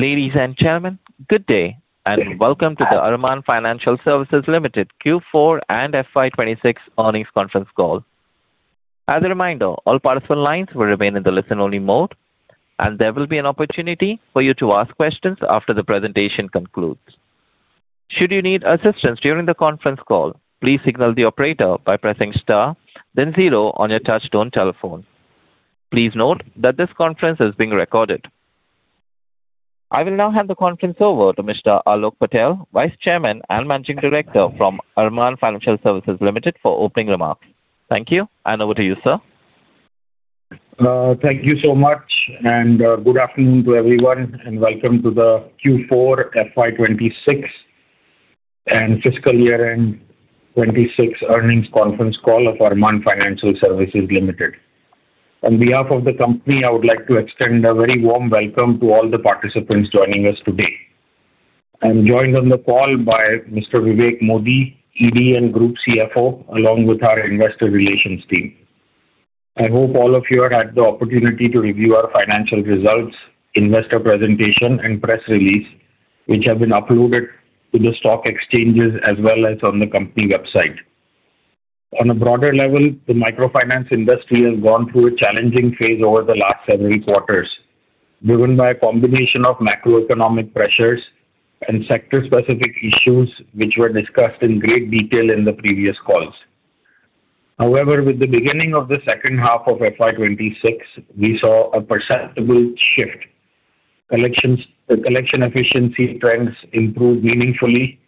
Ladies and gentlemen, good day, and welcome to the Arman Financial Services Limited Q4 and FY 2026 Earnings Conference Call. As a reminder, all participant lines will remain in the listen-only mode, and there will be an opportunity for you to ask questions after the presentation concludes. Should you need assistance during the conference call, please signal the operator by pressing star then zero on your touchtone telephone. Please note that this conference is being recorded. I will now hand the conference over to Mr. Aalok Patel, Vice Chairman and Managing Director from Arman Financial Services Limited, for opening remarks. Thank you, and over to you, sir. Thank you so much. Good afternoon to everyone, and welcome to the Q4 FY 2026 and fiscal year end 2026 earnings conference call of Arman Financial Services Limited. On behalf of the company, I would like to extend a very warm welcome to all the participants joining us today. I'm joined on the call by Mr. Vivek Modi, ED and Group CFO, along with our investor relations team. I hope all of you had the opportunity to review our financial results, investor presentation, and press release, which have been uploaded to the stock exchanges as well as on the company website. On a broader level, the microfinance industry has gone through a challenging phase over the last several quarters, driven by a combination of macroeconomic pressures and sector-specific issues, which were discussed in great detail in the previous calls. With the beginning of the second half of FY 2026, we saw a perceptible shift. The collection efficiency trends improved meaningfully,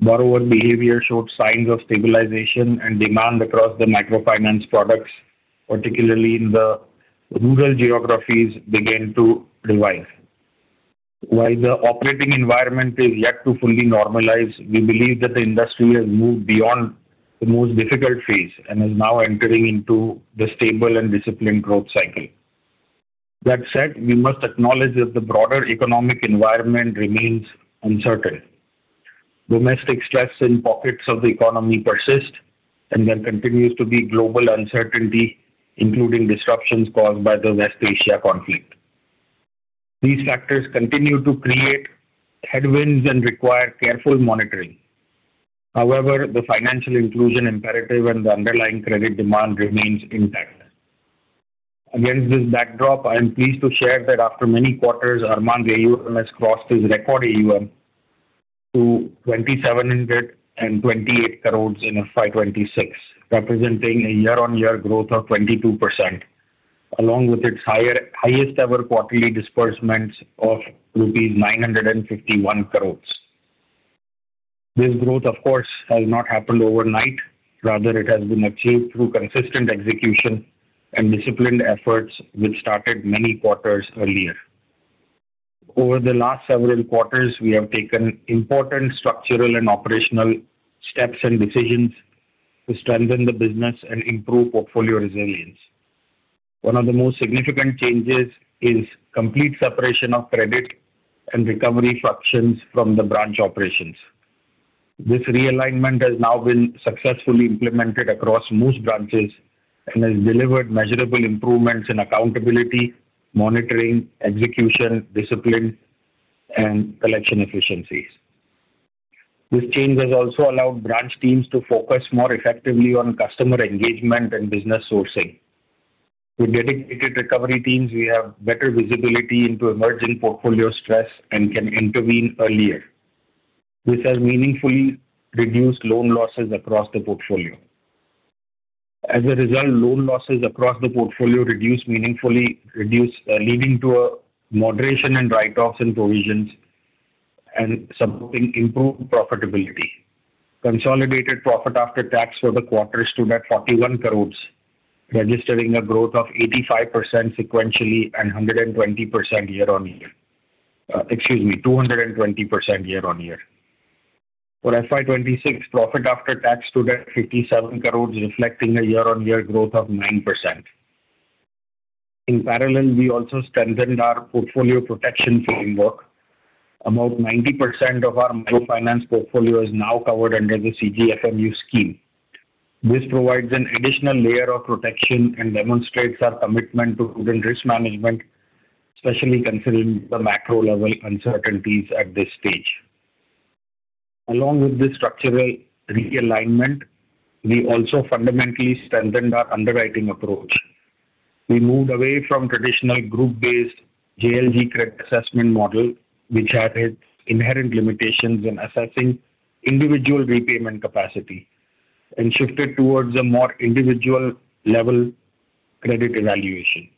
borrower behavior showed signs of stabilization, and demand across the microfinance products, particularly in the rural geographies, began to revive. The operating environment is yet to fully normalize, we believe that the industry has moved beyond the most difficult phase and is now entering into the stable and disciplined growth cycle. We must acknowledge that the broader economic environment remains uncertain. Domestic stress in pockets of the economy persists, and there continues to be global uncertainty, including disruptions caused by the West Asia conflict. These factors continue to create headwinds and require careful monitoring. The financial inclusion imperative and the underlying credit demand remains intact. Against this backdrop, I am pleased to share that after many quarters, Arman AUM has crossed its record AUM to 2,728 crore in FY 2026, representing a year-on-year growth of 22%, along with its highest-ever quarterly disbursements of rupees 951 crore. This growth, of course, has not happened overnight. Rather, it has been achieved through consistent execution and disciplined efforts, which started many quarters earlier. Over the last several quarters, we have taken important structural and operational steps and decisions to strengthen the business and improve portfolio resilience. One of the most significant changes is complete separation of credit and recovery functions from the branch operations. This realignment has now been successfully implemented across most branches and has delivered measurable improvements in accountability, monitoring, execution, discipline, and collection efficiencies. This change has also allowed branch teams to focus more effectively on customer engagement and business sourcing. With dedicated recovery teams, we have better visibility into emerging portfolio stress and can intervene earlier. This has meaningfully reduced loan losses across the portfolio. As a result, loan losses across the portfolio reduce meaningfully, leading to a moderation in write-offs and provisions and supporting improved profitability. Consolidated profit after tax for the quarter stood at 41 crores, registering a growth of 85% sequentially and 120% year-on-year. Excuse me, 220% year-on-year. For FY 2026, profit after tax stood at 57 crores, reflecting a year-on-year growth of 9%. In parallel, we also strengthened our portfolio protection framework. About 90% of our microfinance portfolio is now covered under the CGFMU scheme. This provides an additional layer of protection and demonstrates our commitment to prudent risk management, especially considering the macro-level uncertainties at this stage. Along with this structural realignment, we also fundamentally strengthened our underwriting approach. We moved away from traditional group-based JLG credit assessment model, which had its inherent limitations in assessing individual repayment capacity, shifted towards a more individual-level credit evaluation.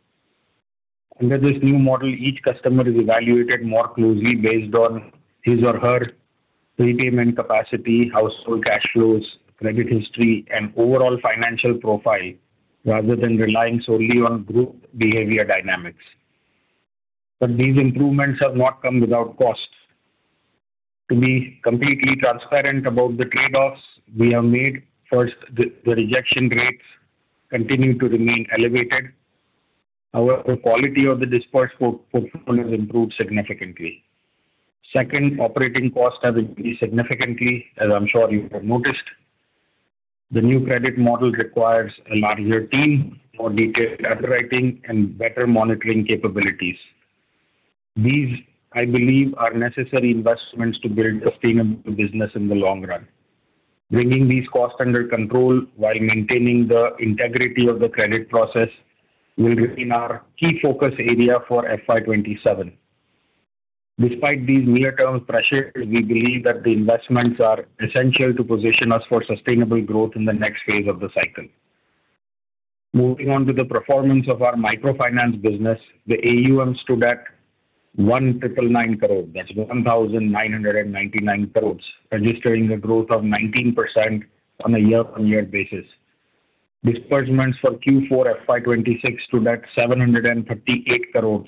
Under this new model, each customer is evaluated more closely based on his or her repayment capacity, household cash flows, credit history, and overall financial profile, rather than relying solely on group behavior dynamics. These improvements have not come without cost. To be completely transparent about the trade-offs we have made. First, the rejection rates continue to remain elevated. However, quality of the dispersed portfolio has improved significantly. Second, operating costs have increased significantly, as I'm sure you have noticed. The new credit model requires a larger team for detailed underwriting and better monitoring capabilities. These, I believe, are necessary investments to build a sustainable business in the long run. Bringing these costs under control while maintaining the integrity of the credit process will remain our key focus area for FY 2027. Despite these near-term pressures, we believe that the investments are essential to position us for sustainable growth in the next phase of the cycle. Moving on to the performance of our microfinance business. The AUM stood at 1,999 crore. That's 1,999 crore, registering a growth of 19% on a year-on-year basis. Disbursement for Q4 FY 2026 stood at 738 crore,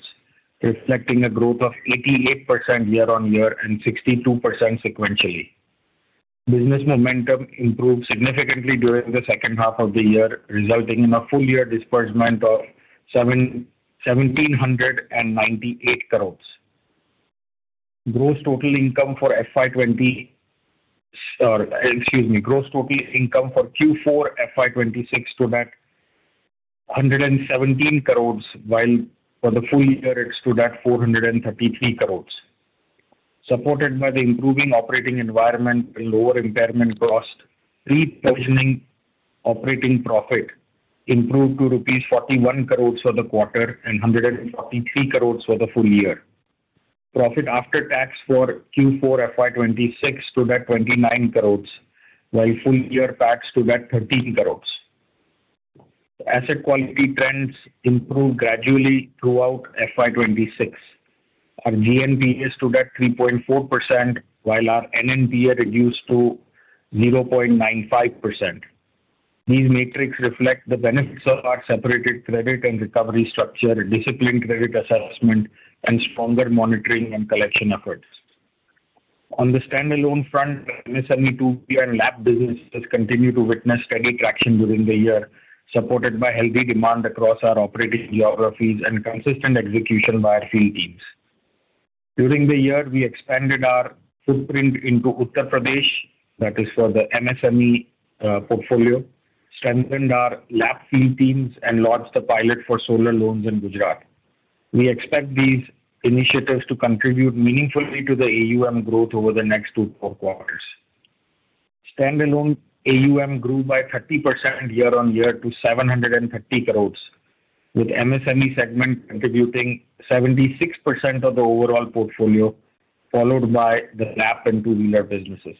reflecting a growth of 88% year-on-year and 62% sequentially. Business momentum improved significantly during the second half of the year, resulting in a full year disbursement of 1,798 crore. Excuse me. Gross total income for Q4 FY 2026 stood at 117 crore, while for the full year, it stood at 433 crore. Supported by the improving operating environment and lower impairment cost, pre-provisioning operating profit improved to rupees 41 crores for the quarter, and 143 crores for the full year. Profit after tax for Q4 FY 2026 stood at INR 29 crores, while full year tax stood at 13 crores. Asset quality trends improved gradually throughout FY 2026. Our GNPA stood at 3.4%, while our NNPA reduced to 0.95%. These metrics reflect the benefits of our separated credit and recovery structure, disciplined credit assessment, and stronger monitoring and collection efforts. On the standalone front, MSME, 2W, and LAP businesses continue to witness steady traction during the year, supported by healthy demand across our operating geographies and consistent execution by our field teams. During the year, we expanded our footprint into Uttar Pradesh, that is for the MSME portfolio, strengthened our LAP field teams, and launched the pilot for solar loans in Gujarat. We expect these initiatives to contribute meaningfully to the AUM growth over the next two to four quarters. Standalone AUM grew by 30% year-on-year to 730 crores, with MSME segment contributing 76% of the overall portfolio, followed by the LAP and Two-Wheeler businesses.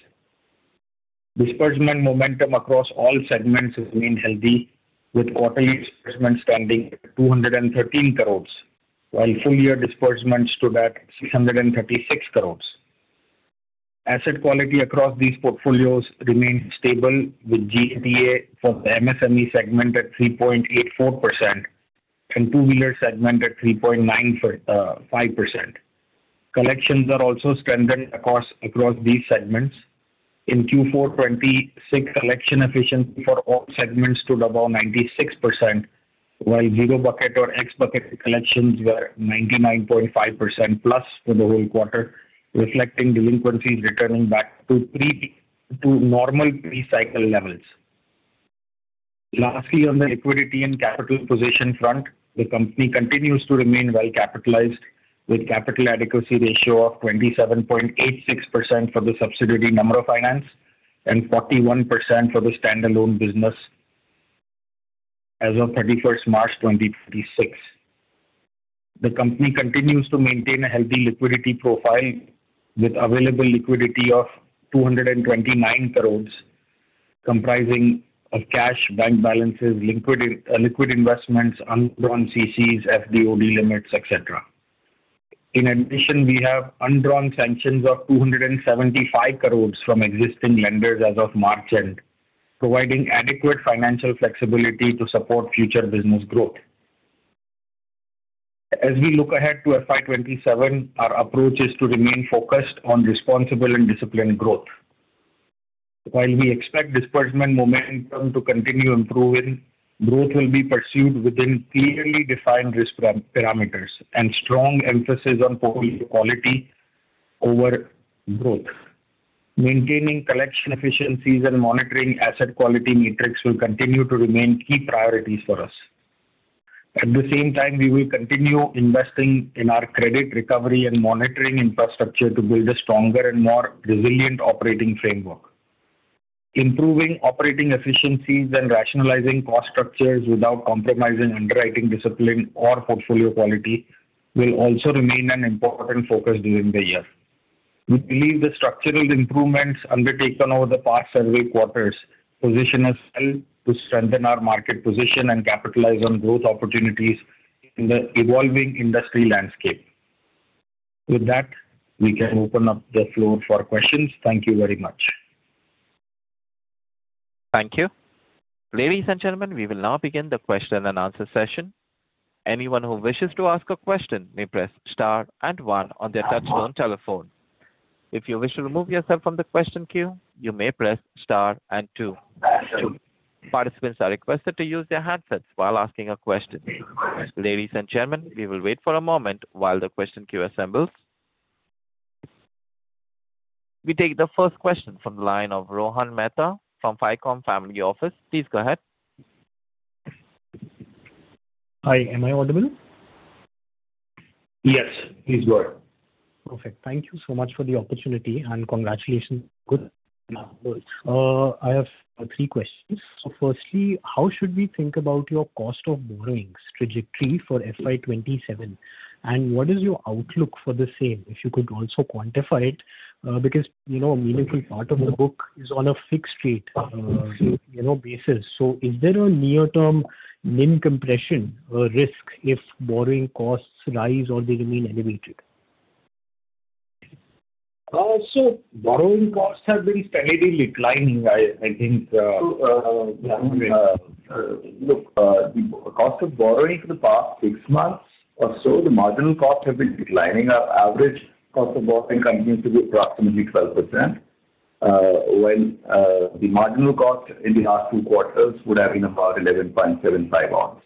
Disbursement momentum across all segments has remained healthy, with quarterly disbursements standing at 213 crores, while full year disbursements stood at 636 crores. Asset quality across these portfolios remained stable, with GNPA for the MSME segment at 3.84% and Two-Wheeler segment at 3.95%. Collections are also strengthened across these segments. In Q4 2026, collection efficiency for all segments stood above 96%, while zero bucket or X bucket collections were 99.5% plus for the whole quarter, reflecting delinquencies returning back to normal pre-cycle levels. On the liquidity and capital position front, the company continues to remain well-capitalized, with capital adequacy ratio of 27.86% for the subsidiary Namra Finance and 41% for the standalone business as of 31st March 2026. The company continues to maintain a healthy liquidity profile, with available liquidity of 229 crores, comprising of cash, bank balances, liquid investments, undrawn CCs, FD/OD limits, et cetera. In addition, we have undrawn sanctions of 275 crores from existing lenders as of March end, providing adequate financial flexibility to support future business growth. As we look ahead to FY 2027, our approach is to remain focused on responsible and disciplined growth. While we expect disbursement momentum to continue improving, growth will be pursued within clearly defined risk parameters and strong emphasis on portfolio quality over growth. Maintaining collection efficiencies and monitoring asset quality metrics will continue to remain key priorities for us. At the same time, we will continue investing in our credit recovery and monitoring infrastructure to build a stronger and more resilient operating framework. Improving operating efficiencies and rationalizing cost structures without compromising underwriting discipline or portfolio quality will also remain an important focus during the year. We believe the structural improvements undertaken over the past several quarters position us well to strengthen our market position and capitalize on growth opportunities in the evolving industry landscape. With that, we can open up the floor for questions. Thank you very much. Thank you. Ladies and gentlemen, we will now begin the question and answer session. Anyone who wishes to ask a question may press star and one on their touch-tone telephone. If you wish to remove yourself from the question queue, you may press star and two. Participants are requested to use their handsets while asking a question. Ladies and gentlemen, we will wait for a moment while the question queue assembles. We take the first question from the line of Rohan Mehta from Ficom Family Office. Please go ahead. Hi, am I audible? Yes, please go ahead. Perfect. Thank you so much for the opportunity, and congratulations. Good. I have three questions. Firstly, how should we think about your cost of borrowings trajectory for FY 2027, and what is your outlook for the same? If you could also quantify it, because a meaningful part of the book is on a fixed rate basis. Is there a near-term NIM compression risk if borrowing costs rise or they remain elevated? Borrowing costs have been steadily declining. I think, look, the cost of borrowing for the past six months or so, the marginal costs have been declining. Our average cost of borrowing continues to be approximately 12%, while the marginal cost in the last two quarters would have been about 11.75%.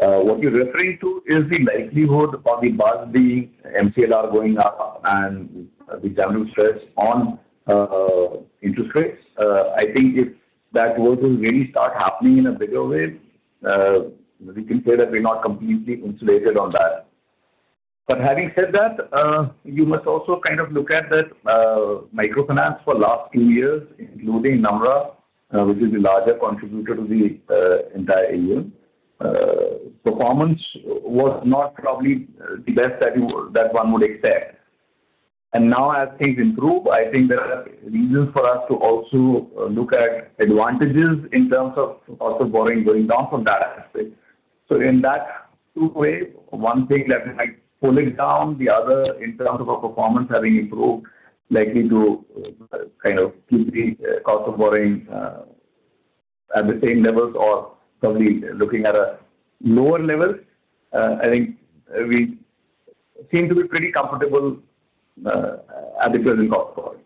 What you're referring to is the likelihood of the MCLR going up and the general stress on interest rates. I think if that were to really start happening in a bigger way, we can say that we're not completely insulated on that. Having said that, you must also kind of look at that microfinance for last two years, including Namra, which is the larger contributor to the entire AUM. Performance was not probably the best that one would expect. Now as things improve, I think there are reasons for us to also look at advantages in terms of cost of borrowing going down from that aspect. In that two ways, one thing that might pulling down, the other in terms of our performance having improved, likely to kind of keep the cost of borrowing at the same levels or probably looking at a lower level. I think we seem to be pretty comfortable at the present cost of borrowing,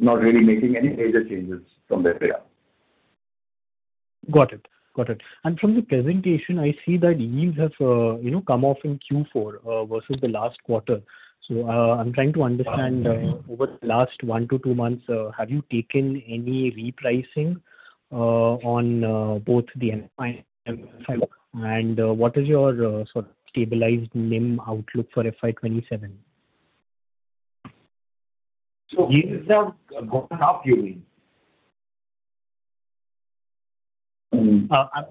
not really making any major changes from their pay out. Got it. From the presentation, I see that yields have come off in Q4 versus the last quarter. I am trying to understand over the last one to two months, have you taken any repricing on both the? What is your sort of stabilized NIM outlook for FY 2027? Yields have gone up, you mean?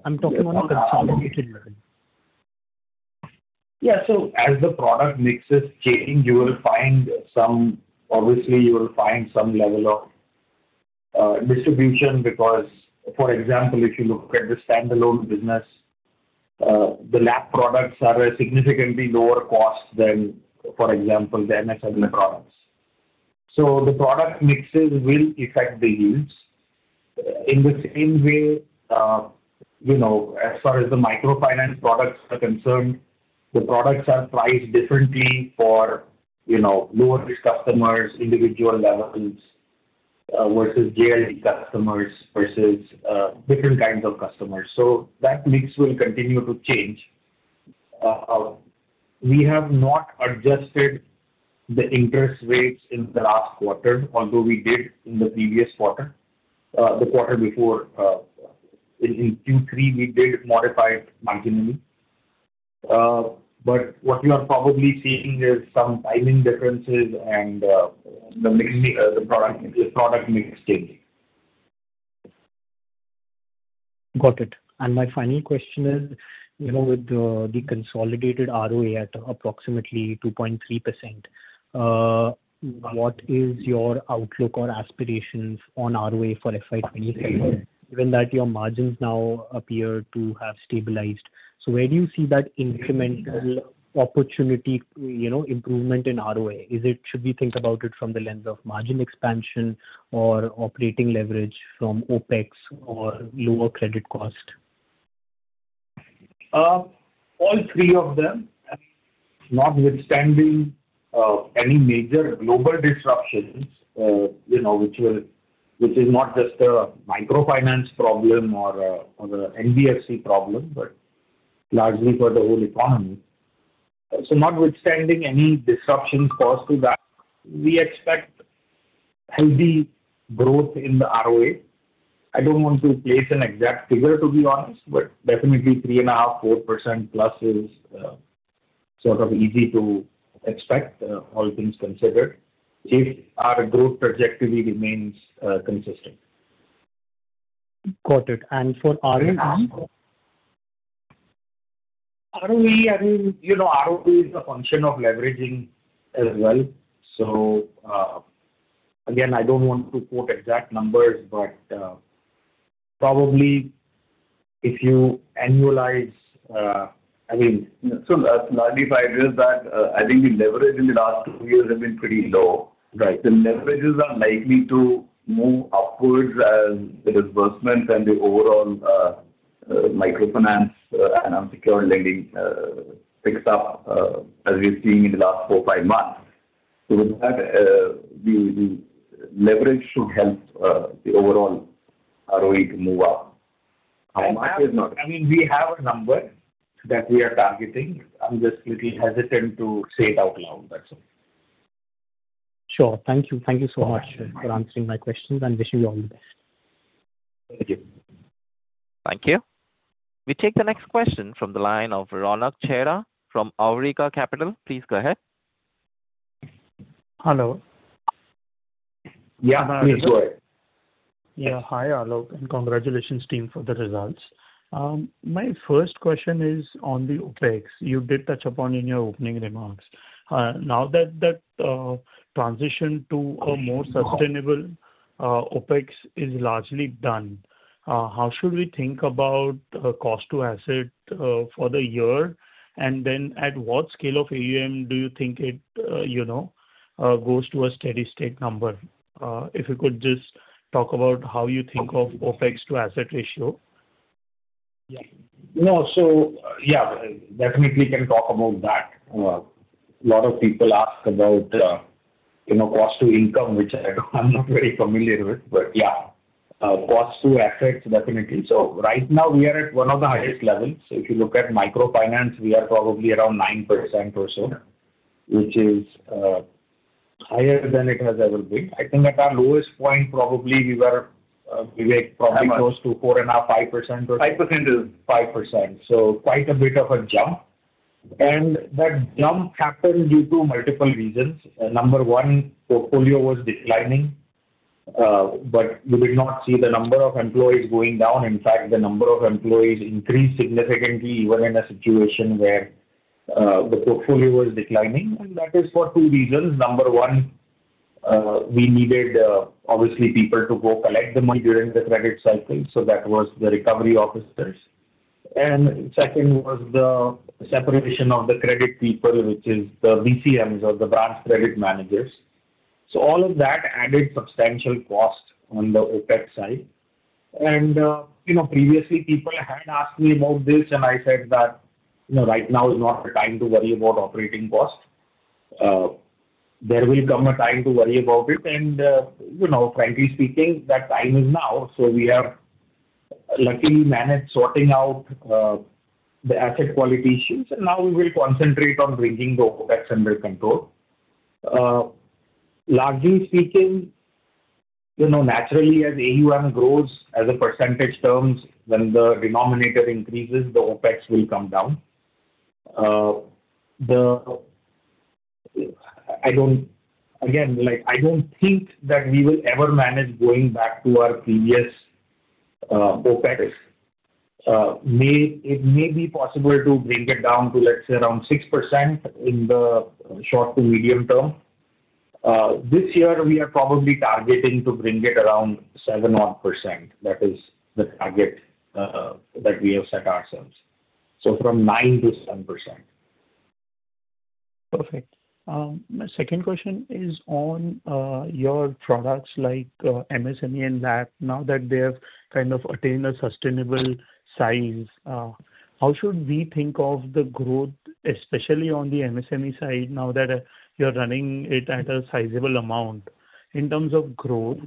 I'm talking about consolidated level. Yeah. As the product mix is changing, obviously, you will find some level of distribution because, for example, if you look at the standalone business, the LAP products are a significantly lower cost than, for example, the MSME products. The product mixes will affect the yields. In the same way, as far as the microfinance products are concerned, the products are priced differently for lower-risk customers, individual applicants, versus JLG customers, versus different kinds of customers. That mix will continue to change. We have not adjusted the interest rates in the last quarter, although we did in the previous quarter. The quarter before in Q3, we did modify it marginally. What you are probably seeing is some timing differences and the product mix changing. Got it. My final question is, with the consolidated ROE at approximately 2.3%, what is your outlook or aspirations on ROE for FY 2027, given that your margins now appear to have stabilized? Where do you see that incremental opportunity improvement in ROE? Should we think about it from the lens of margin expansion or operating leverage from OpEx or lower credit cost? All three of them, notwithstanding any major global disruptions which is not just a microfinance problem or a NBFC problem, but largely for the whole economy. Notwithstanding any disruptions caused to that, we expect healthy growth in the ROE. I don't want to place an exact figure, to be honest, but definitely three and a half, 4%+ is sort of easy to expect, all things considered, if our growth trajectory remains consistent. Got it. for ROE? ROE, I mean, ROE is a function of leveraging as well. Again, I don't want to quote exact numbers, but probably if you annualize, I mean, so largely if I realize that, I think the leverage in the last two years have been pretty low. The leverages are likely to move upwards as the disbursements and the overall microfinance and unsecured lending picks up, as we've seen in the last four, five months. With that, the leverage should help the overall ROE to move up I mean, we have a number that we are targeting. I'm just a little hesitant to say it out loud, that's all. Sure. Thank you. Thank you so much for answering my questions and wish you all the best. Thank you. Thank you. We take the next question from the line of Ronak Chheda from Awriga Capital. Please go ahead. Hello. Yeah, please go ahead. Yeah. Hi, Aalok, and congratulations, team, for the results. My first question is on the OpEx you did touch upon in your opening remarks. Now that that transition to a more sustainable OpEx is largely done, how should we think about the cost to asset for the year? Then at what scale of AUM do you think it goes to a steady state number? If you could just talk about how you think of OpEx to asset ratio. Yeah. Yeah, definitely can talk about that. A lot of people ask about cost to income, which I'm not very familiar with. Yeah, cost to assets, definitely. Right now we are at one of the highest levels. If you look at microfinance, we are probably around 9% or so, which is higher than it has ever been. I think at our lowest point, probably, we were probably close to 4.5% or so. 5%. 5%. Quite a bit of a jump. That jump happened due to multiple reasons. Number one, portfolio was declining, but you did not see the number of employees going down. In fact, the number of employees increased significantly, even in a situation where the portfolio was declining. That is for two reasons. Number one, we needed, obviously, people to go collect the money during the credit cycle, so that was the recovery officers. Second was the separation of the credit people, which is the BCMs or the branch credit managers. All of that added substantial cost on the OpEx side. Previously, people had asked me about this and I said that right now is not the time to worry about operating cost. There will come a time to worry about it. Frankly speaking, that time is now. We have luckily managed sorting out the asset quality issues, and now we will concentrate on bringing the OpEx under control. Largely speaking, naturally as AUM grows as a % terms, when the denominator increases, the OpEx will come down. Again, I don't think that we will ever manage going back to our previous OpEx. It may be possible to bring it down to, let's say, around 6% in the short to medium term. This year, we are probably targeting to bring it around 7%-odd. That is the target that we have set ourselves. From 9% to 7%. Perfect. My second question is on your products like MSME and LAP. Now that they have kind of attained a sustainable size, how should we think of the growth, especially on the MSME side, now that you're running it at a sizable amount in terms of growth?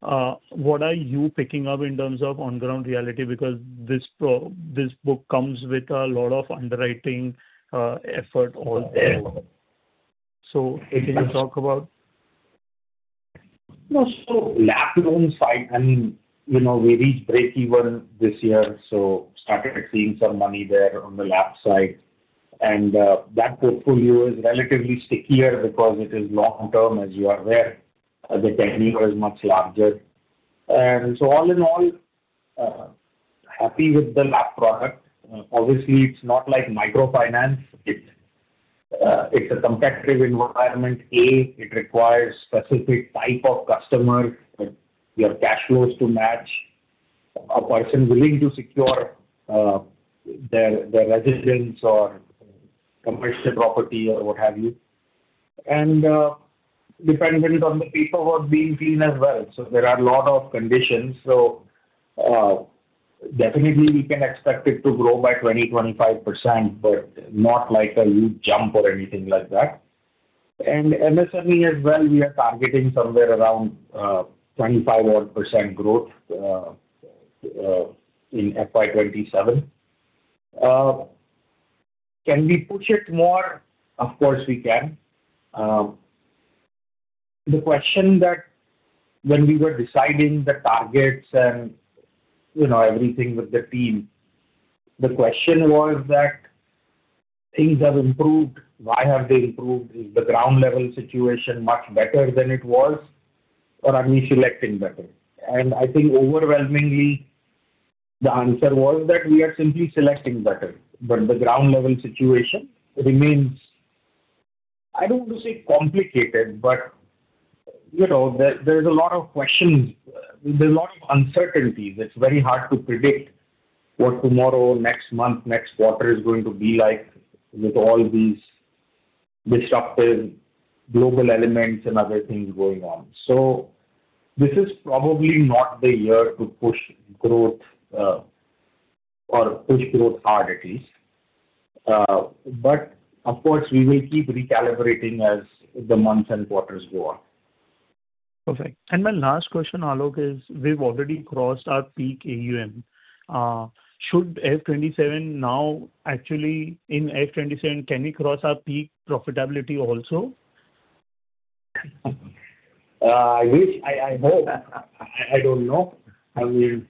What are you picking up in terms of on-ground reality? Because this book comes with a lot of underwriting effort all there. If you can talk about. LAP loan side, I mean, we reached breakeven this year, so started seeing some money there on the LAP side. That portfolio is relatively stickier because it is long-term, as you are aware. The tenure is much larger. All in all, happy with the LAP product. Obviously, it's not like microfinance. It's a competitive environment, A, it requires specific type of customer with cash flows to match, a person willing to secure their residence or commercial property or what have you. Dependent on the paperwork being clean as well. There are a lot of conditions. Definitely we can expect it to grow by 20%-25%, but not like a huge jump or anything like that. MSME as well, we are targeting somewhere around 25-odd % growth in FY 2027. Can we push it more? Of course, we can. When we were deciding the targets and everything with the team, the question was that things have improved. Why have they improved? Is the ground level situation much better than it was, or are we selecting better? I think overwhelmingly, the answer was that we are simply selecting better. The ground level situation remains, I don't want to say complicated, but there's a lot of questions. There's a lot of uncertainties. It's very hard to predict what tomorrow, next month, next quarter is going to be like with all these disruptive global elements and other things going on. This is probably not the year to push growth. Push growth hard, at least. Of course, we will keep recalibrating as the months and quarters go on. Perfect. My last question, Aalok, is we've already crossed our peak AUM. Actually, in FY 2027, can we cross our peak profitability also? I wish. I hope. I don't know. I mean.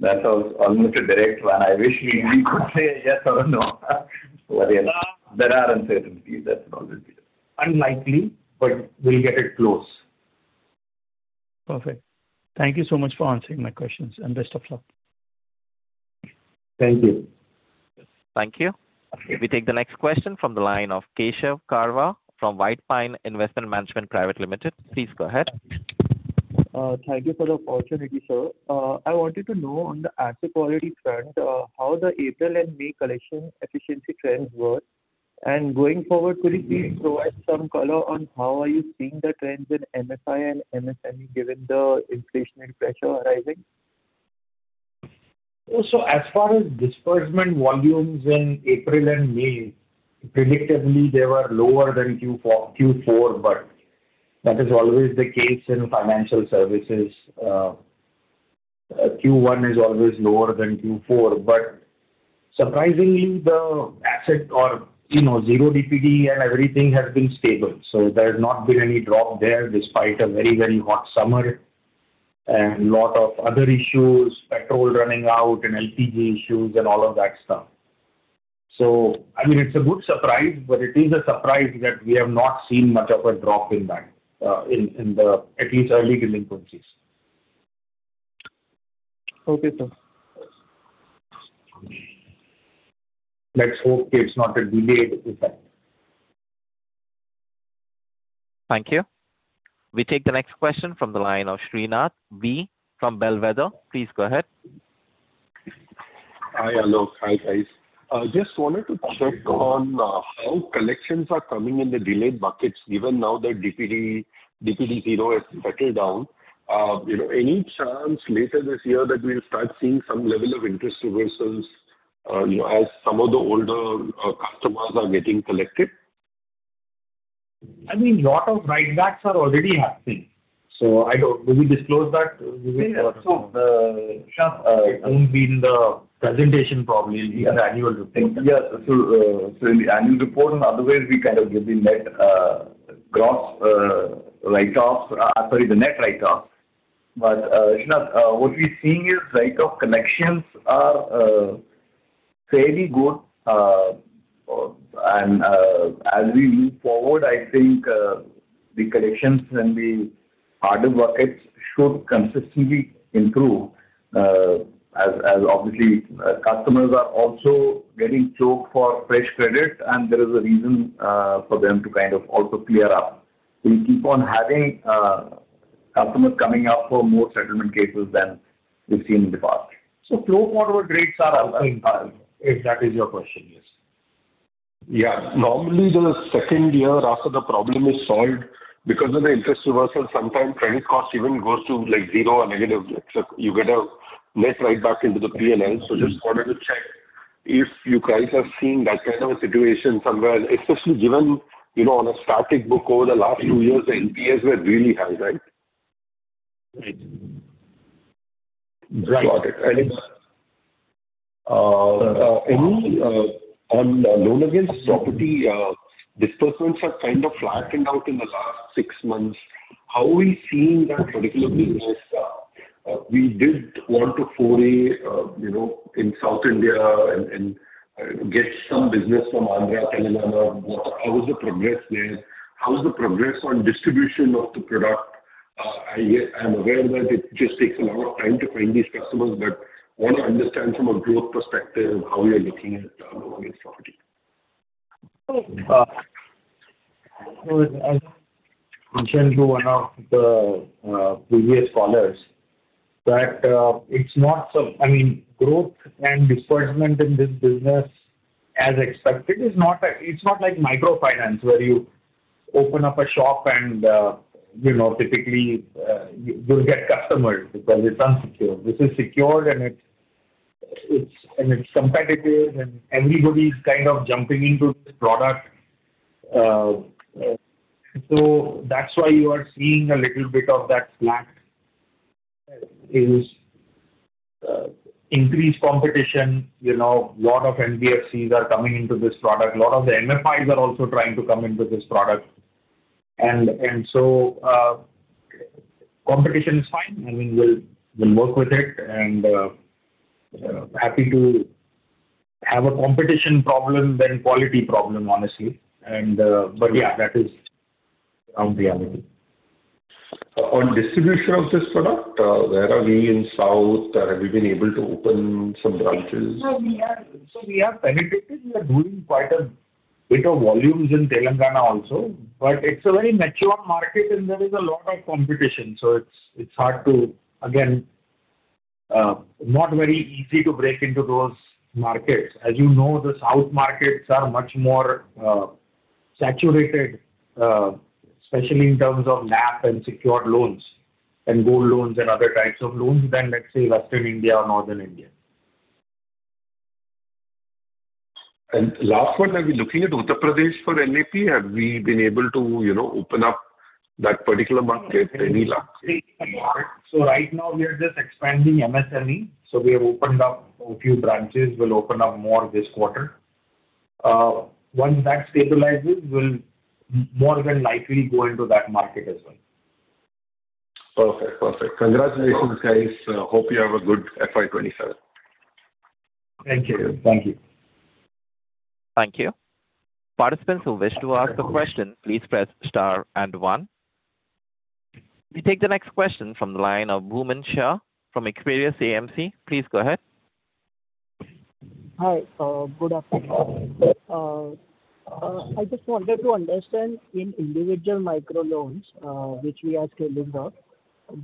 That's almost a direct one. I wish we could say a yes or a no. Yes, there are uncertainties. That will always be there. Unlikely, but we'll get it close. Perfect. Thank you so much for answering my questions, and best of luck. Thank you. Thank you. We take the next question from the line of Keshav Karwa from White Pine Investment Management Private Limited. Please go ahead. Thank you for the opportunity, sir. I wanted to know on the asset quality front, how the April and May collection efficiency trends were. Going forward, could you please provide some color on how are you seeing the trends in MFI and MSME, given the inflationary pressure arising? As far as disbursement volumes in April and May, predictably, they were lower than Q4, but that is always the case in financial services. Q1 is always lower than Q4. Surprisingly, the asset or zero DPD and everything has been stable. There's not been any drop there despite a very hot summer and lot of other issues, petrol running out and LPG issues and all of that stuff. It's a good surprise, but it is a surprise that we have not seen much of a drop in that, in the at least early delinquencies. Okay, sir. Let's hope it's not a delayed effect. Thank you. We take the next question from the line of Srinath .V from Bellwether. Please go ahead. Hi, Aalok. Hi, guys. Just wanted to check on how collections are coming in the delayed buckets given now that DPD 0 has settled down. Any chance later this year that we will start seeing some level of interest reversals as some of the older customers are getting collected? A lot of write-backs are already happening. Do we disclose that, Vivek? Sure. It won't be in the presentation, probably. It'll be as annual report. Yes. In the annual report, in other ways, we kind of give the net write-offs. Srinath, what we're seeing is write-off collections are fairly good. As we move forward, I think the collections and the harder buckets should consistently improve, as obviously customers are also getting choked for fresh credit and there is a reason for them to kind of also clear up. We keep on having customers coming up for more settlement cases than we've seen in the past. Flow forward rates are high, if that is your question, yes. Yeah. Normally, the second year after the problem is solved, because of the interest reversal, sometimes credit cost even goes to zero or negative. You get a net write back into the P&L. Just wanted to check if you guys are seeing that kind of a situation somewhere, especially given on a static book over the last few years, the NPAs were really high, right? Right. Got it. On Loan Against Property, disbursements have kind of flattened out in the last six months. How are we seeing that, particularly as we did want to foray in South India and get some business from Andhra, Telangana. How is the progress there? How is the progress on distribution of the product? I'm aware that it just takes a lot of time to train these customers, but want to understand from a growth perspective how you're looking at Loan Against Property. As mentioned to one of the previous callers, that growth and disbursement in this business as expected, it's not like microfinance where you open up a shop and typically you'll get customers because it's unsecured. This is secured and it's competitive and everybody's kind of jumping into this product. That's why you are seeing a little bit of that slack, is increased competition. A lot of NBFCs are coming into this product. A lot of the MFIs are also trying to come in with this product. Competition is fine. We'll work with it and happy to have a competition problem than quality problem, honestly. Yeah, that is the reality. On distribution of this product, where are we in South? Have we been able to open some branches? We have penetrated. We are doing quite a bit of volumes in Telangana also, but it's a very mature market and there is a lot of competition. It's hard to, again, not very easy to break into those markets. As you know, the South markets are much more Saturated, especially in terms of LAP and secured loans and gold loans and other types of loans than, let's say, Western India or Northern India. Last one, are we looking at Uttar Pradesh for LAP? Have we been able to open up that particular market, any luck? Right now we are just expanding MSME. We have opened up a few branches. We'll open up more this quarter. Once that stabilizes, we'll more than likely go into that market as well. Perfect. Congratulations, guys. Hope you have a good FY 2027. Thank you. Thank you. Thank you. Participants who wish to ask a question, please press star and one. We take the next question from the line of [Bhuman Shah] from [Experius AMC]. Please go ahead. Hi. Good afternoon. I just wanted to understand, in individual micro loans, which we are scaling up,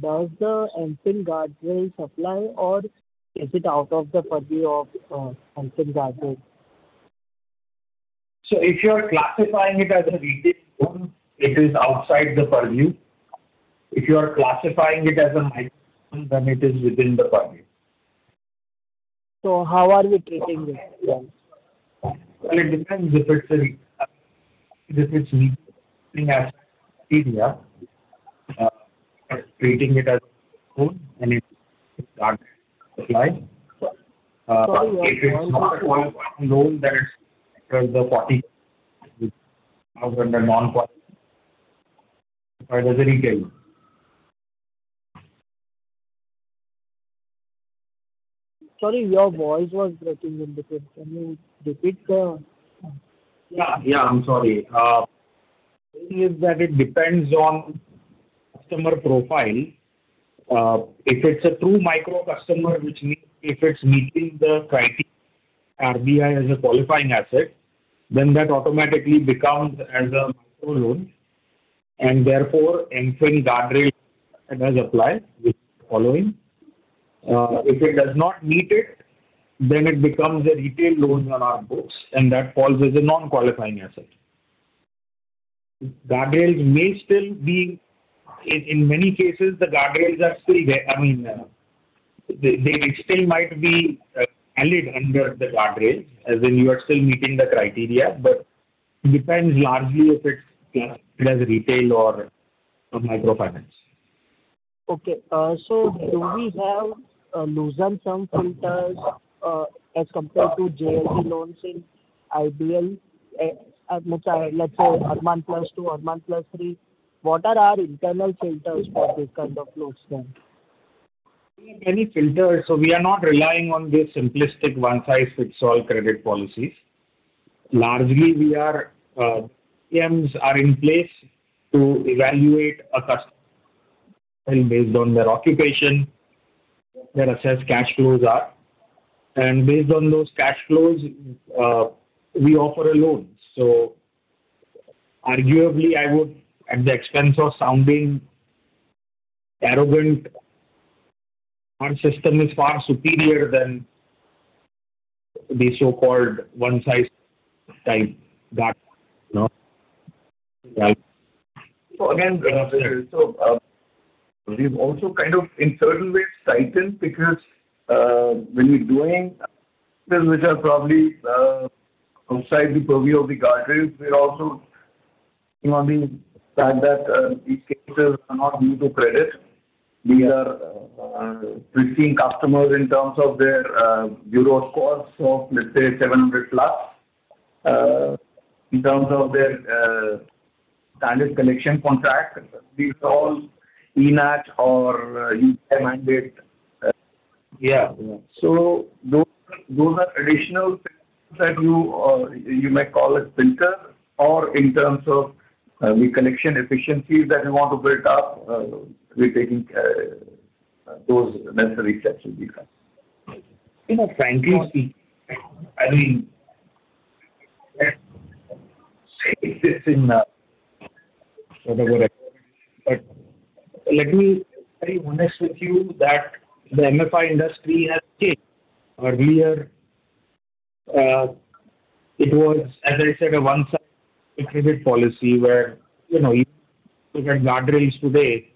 does the MFIN guardrail apply, or is it out of the purview of MFIN guardrail? If you are classifying it as a retail loan, it is outside the purview. If you are classifying it as a micro loan, then it is within the purview. How are we treating these loans? Well, it depends if it's meeting RBI criteria. If it's treating it as a loan, then it does apply. Sorry, your voice was breaking in between. Can you repeat the? Yeah, I'm sorry. The thing is that it depends on customer profile. If it's a true micro customer, which means if it's meeting the criteria, RBI as a qualifying asset, then that automatically becomes as a micro loan, and therefore, MFIN guardrail does apply, which is following. If it does not meet it, then it becomes a retail loan on our books, and that falls as a non-qualifying asset. In many cases, the guardrails are still there. It still might be valid under the guardrail as in you are still meeting the criteria, but it depends largely if it's classified as retail or microfinance. Okay. Do we have a looser term filters as compared to JLG loans in IBL, let's say Arman +2, Arman +3. What are our internal filters for this kind of loans then? We have many filters, so we are not relying on these simplistic one-size-fits-all credit policies. Largely, systems are in place to evaluate a customer based on their occupation, what their assessed cash flows are. Based on those cash flows, we offer a loan. Arguably, I would, at the expense of sounding arrogant, our system is far superior than the so-called one-size type. Again, we've also kind of in certain ways tightened because when we're doing this, which are probably outside the purview of the guardrails, we're also saying that these cases are not new to credit. We are pre-screening customers in terms of their bureau scores of, let's say, 700+, in terms of their standard collection contract with all ENACH or UPI mandate. Yeah. Those are additional things that you may call a filter or in terms of the collection efficiencies that you want to build up, we're taking those necessary steps in these cases. Frankly speaking, I mean, let me say this in whatever, but let me be very honest with you that the MFI industry has changed. Earlier, it was, as I said, a one-size-fits-all credit policy where even look at guardrails today.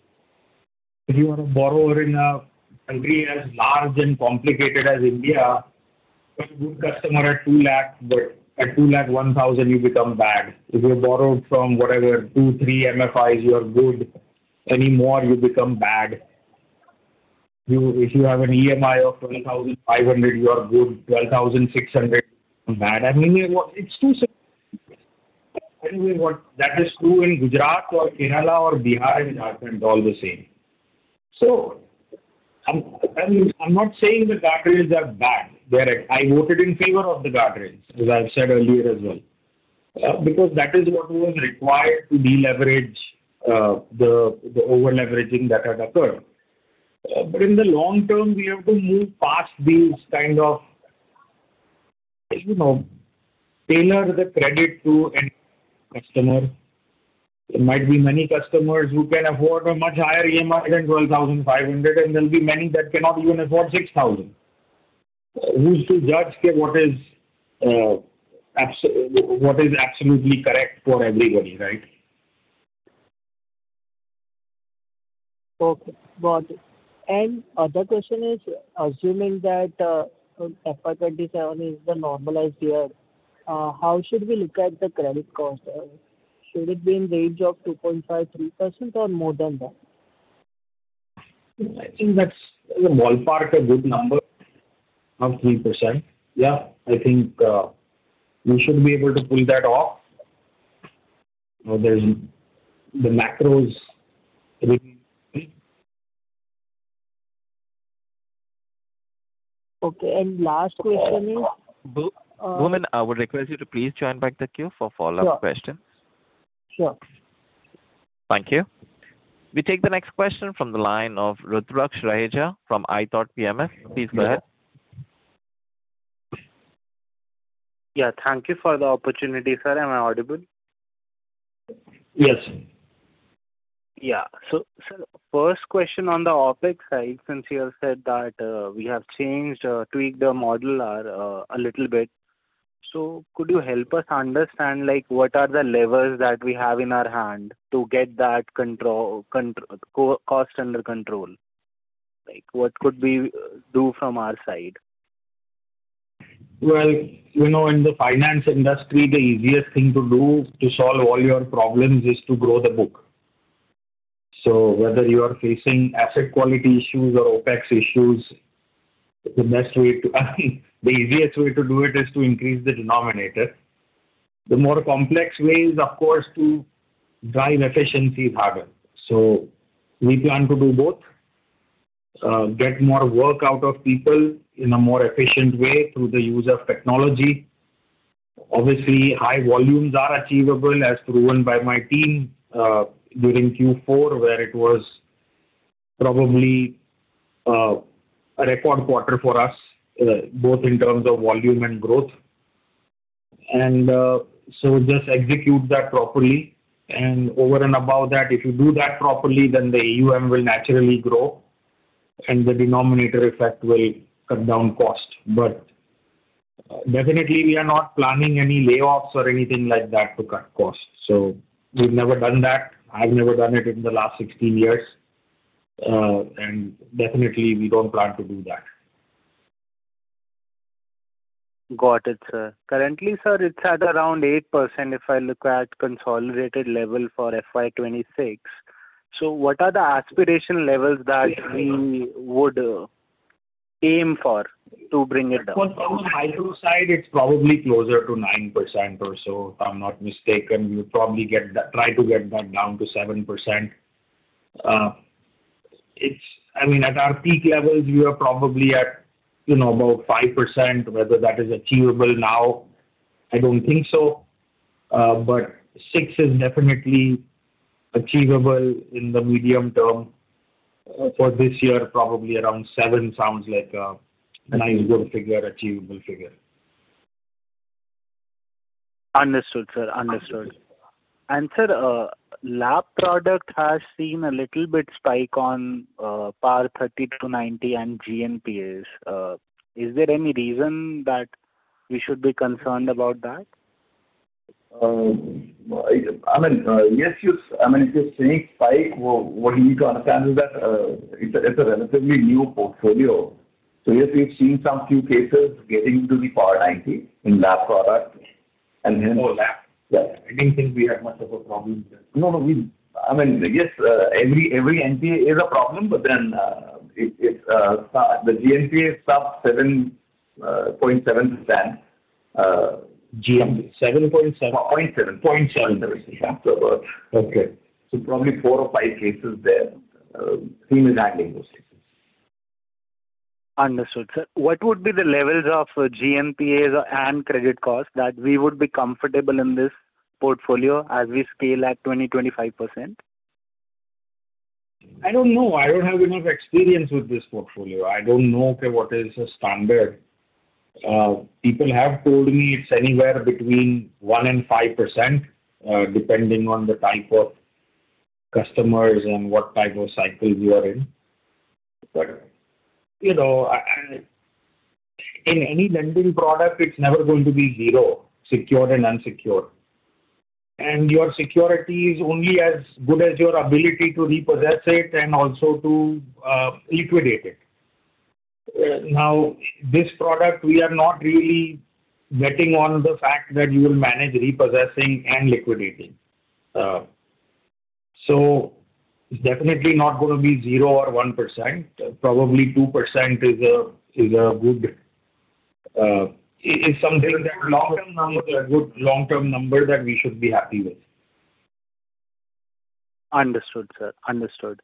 If you are a borrower in a country as large and complicated as India, you're a good customer at 200,000, but at 200,100 you become bad. If you borrowed from whatever, two, three MFIs, you are good. Any more, you become bad. If you have an EMI of 12,500, you are good. 12,600, you're bad. I mean, it's too simplistic. Tell me what, that is true in Gujarat or Kerala or Bihar and Jharkhand all the same. I'm not saying the guardrails are bad. I voted in favor of the guardrails, as I've said earlier as well because that is what was required to deleverage the overleveraging that had occurred. In the long term, we have to move past these kind of tailor the credit to end customer. There might be many customers who can afford a much higher EMI than 12,500, and there'll be many that cannot even afford 6,000. Who's to judge what is absolutely correct for everybody, right? Okay. Got it. Another question is, assuming that FY 2027 is the normalized year, how should we look at the credit cost? Should it be in the range of 2.5%-3% or more than that? I think that's a ballpark a good number of 3%. Yeah, I think we should be able to pull that off. The macro is. Okay, last question is. [Bhuman], I would request you to please join back the queue for follow-up questions. Sure. Thank you. We take the next question from the line of Rudraksh Raheja from iThought PMS. Please go ahead. Yeah. Thank you for the opportunity, sir. Am I audible? Yes. Sir, first question on the OpEx side, since you have said that we have changed, tweaked the model a little bit. Could you help us understand what are the levers that we have in our hand to get that cost under control? What could we do from our side? Well, in the finance industry, the easiest thing to do to solve all your problems is to grow the book. Whether you are facing asset quality issues or OpEx issues, the easiest way to do it is to increase the denominator. The more complex way is, of course, to drive efficiencies harder. We plan to do both, get more work out of people in a more efficient way through the use of technology. Obviously, high volumes are achievable, as proven by my team, during Q4, where it was probably a record quarter for us, both in terms of volume and growth. Just execute that properly, and over and above that, if you do that properly, then the AUM will naturally grow and the denominator effect will cut down cost. Definitely we are not planning any layoffs or anything like that to cut costs. We've never done that. I've never done it in the last 16 years. Definitely we don't plan to do that. Got it, sir. Currently, sir, it's at around 8%, if I look at consolidated level for FY 2026. What are the aspiration levels that we would aim for to bring it down? From High ROI side, it's probably closer to 9% or so, if I'm not mistaken. We'll probably try to get that down to 7%. At our peak levels, we are probably at about 5%. Whether that is achievable now, I don't think so. But 6% is definitely achievable in the medium term. For this year, probably around 7% sounds like a nice, good figure, achievable figure. Understood, sir. Sir, LAP product has seen a little bit spike on par 30 to 90 and GNPA. Is there any reason that we should be concerned about that? If you're saying spike, what you need to understand is that it's a relatively new portfolio. Yes, we've seen some few cases getting to the par 90 in LAP product. Oh, LAP. Yeah. I didn't think we had much of a problem there. No. Yes, every NPA is a problem, but then the GNPA is sub 7.7%. GNPA 7.7%? No, 0.7. 0.7. Yeah. Okay. Probably four or five cases there. The team is handling those cases. Understood, sir. What would be the levels of GNPA and credit cost that we would be comfortable in this portfolio as we scale at 20%-25%? I don't know. I don't have enough experience with this portfolio. I don't know, okay, what is a standard. People have told me it's anywhere between one and 5%, depending on the type of customers and what type of cycle you are in. In any lending product, it's never going to be zero, secured and unsecured. Your security is only as good as your ability to repossess it and also to liquidate it. Now, this product, we are not really betting on the fact that you will manage repossessing and liquidating. It's definitely not going to be zero or 1%. Probably 2% is something that. Is a good long-term number. is a good long-term number that we should be happy with. Understood, sir. Sir, what could be? Rudraksh,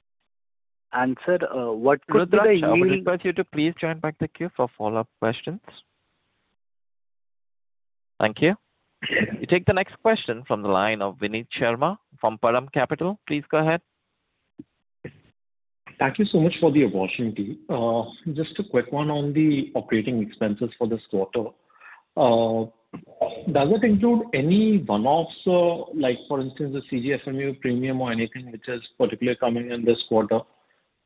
I would request you to please join back the queue for follow-up questions. Thank you. We take the next question from the line of Vineet Sharma from Param Capital. Please go ahead. Thank you so much for the opportunity. Just a quick one on the operating expenses for this quarter. Does it include any one-offs? Like for instance, the CGFMU premium or anything which is particularly coming in this quarter?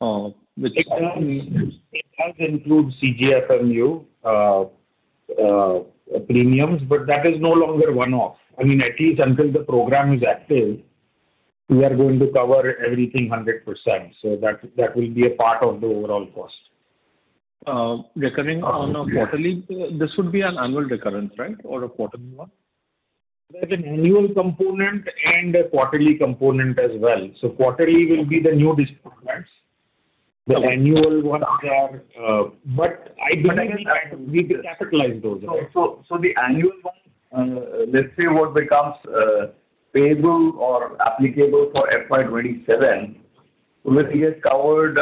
It does include CGFMU premiums, but that is no longer one-off. At least until the program is active, we are going to cover everything 100%. That will be a part of the overall cost. Recurring on a quarterly. This would be an annual recurrence, right? Or a quarterly one? There's an annual component and a quarterly component as well. Quarterly will be the new disbursements. The annual ones are. I believe we capitalize those, right? The annual one, let's say what becomes payable or applicable for FY 2027 will get covered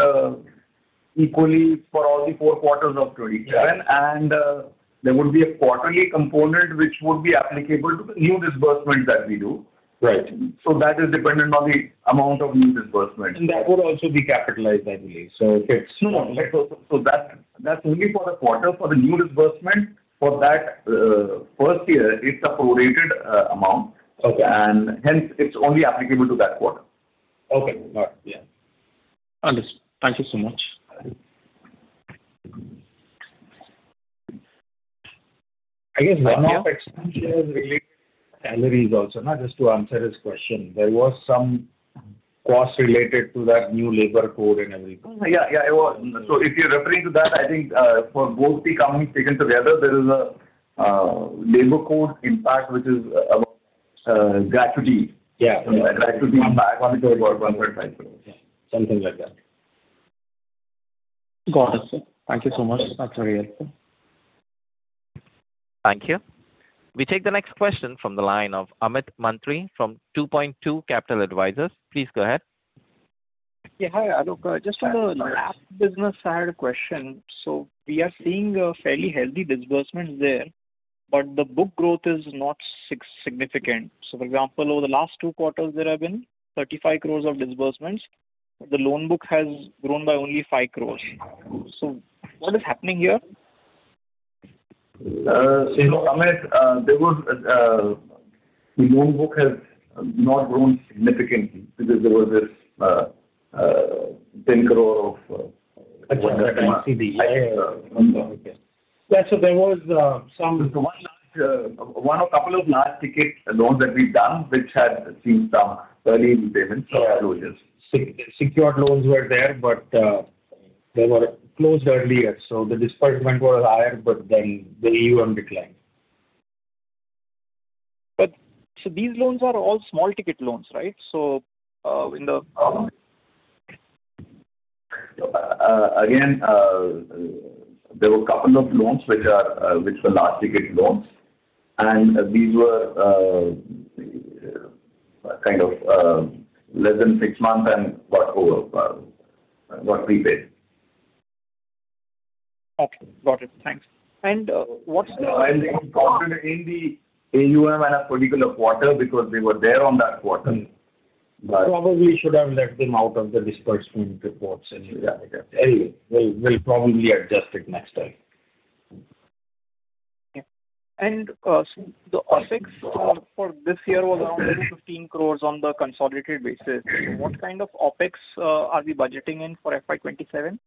equally for all the four quarters of 2027. There will be a quarterly component which would be applicable to the new disbursement that we do. Right. That is dependent on the amount of new disbursement. That would also be capitalized, I believe. No. That's only for the quarter, for the new disbursement. For that first year, it's a prorated amount. Okay. Hence, it's only applicable to that quarter. Okay. Got it. Yeah. Understood. Thank you so much. I guess one-off expenditure is related to salaries also, just to answer his question. There was some cost related to that new labor code and everything. Yeah, it was. If you're referring to that, I think for both the companies taken together, there is a labor code impact, which is about gratuity. Yeah. Gratuity impact of around 100 crores. Something like that. Got it, sir. Thank you so much. That's all we have, sir. Thank you. We take the next question from the line of Amit Mantri from 2Point2 Capital Advisors. Please go ahead. Yeah. Hi, Aalok. Just on the LAP business, I had a question. We are seeing a fairly healthy disbursement there, but the book growth is not significant. For example, over the last two quarters, there have been 35 crores of disbursements. The loan book has grown by only five crores. What is happening here? Amit, the loan book has not grown significantly because there was this thin growth of. I can see the Okay. Yeah. There was. One or couple of large ticket loans that we've done, which had seen some early repayments. Secured loans were there, but they were closed early. The disbursement was higher, but then the AUM declined. These loans are all small ticket loans, right? Again, there were a couple of loans which were large ticket loans, and these were less than six months and got prepaid. Okay, got it. Thanks. What's the They got in the AUM in a particular quarter because they were there on that quarter. Probably should have left them out of the disbursement reports anyway. Yeah, I get it. We'll probably adjust it next time. Okay. The OpEx for this year was around 15 crore on the consolidated basis. What kind of OpEx are we budgeting in for FY 2027?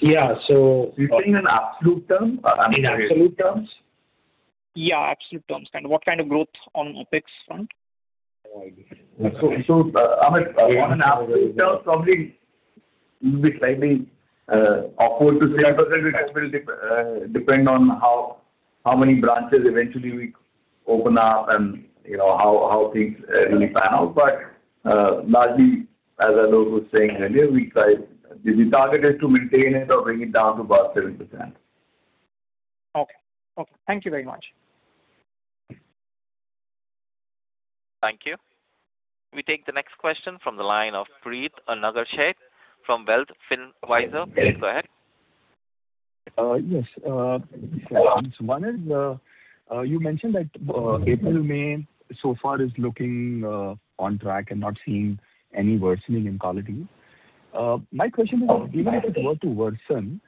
Yeah. You're saying in absolute term or? In absolute terms? Yeah, absolute terms. What kind of growth on OPEX front? Amit, on an absolute term, probably it will be slightly awkward to say because it will depend on how many branches eventually we open up and how things really pan out. Largely, as Aalok was saying earlier, the target is to maintain it or bring it down to about 7%. Okay. Thank you very much. Thank you. We take the next question from the line of Preet Nagarsheth from Wealth Finvisor. Please go ahead. Yes. One is, you mentioned that April, May so far is looking on track and not seeing any worsening in quality. My question is, even if it were to worsen,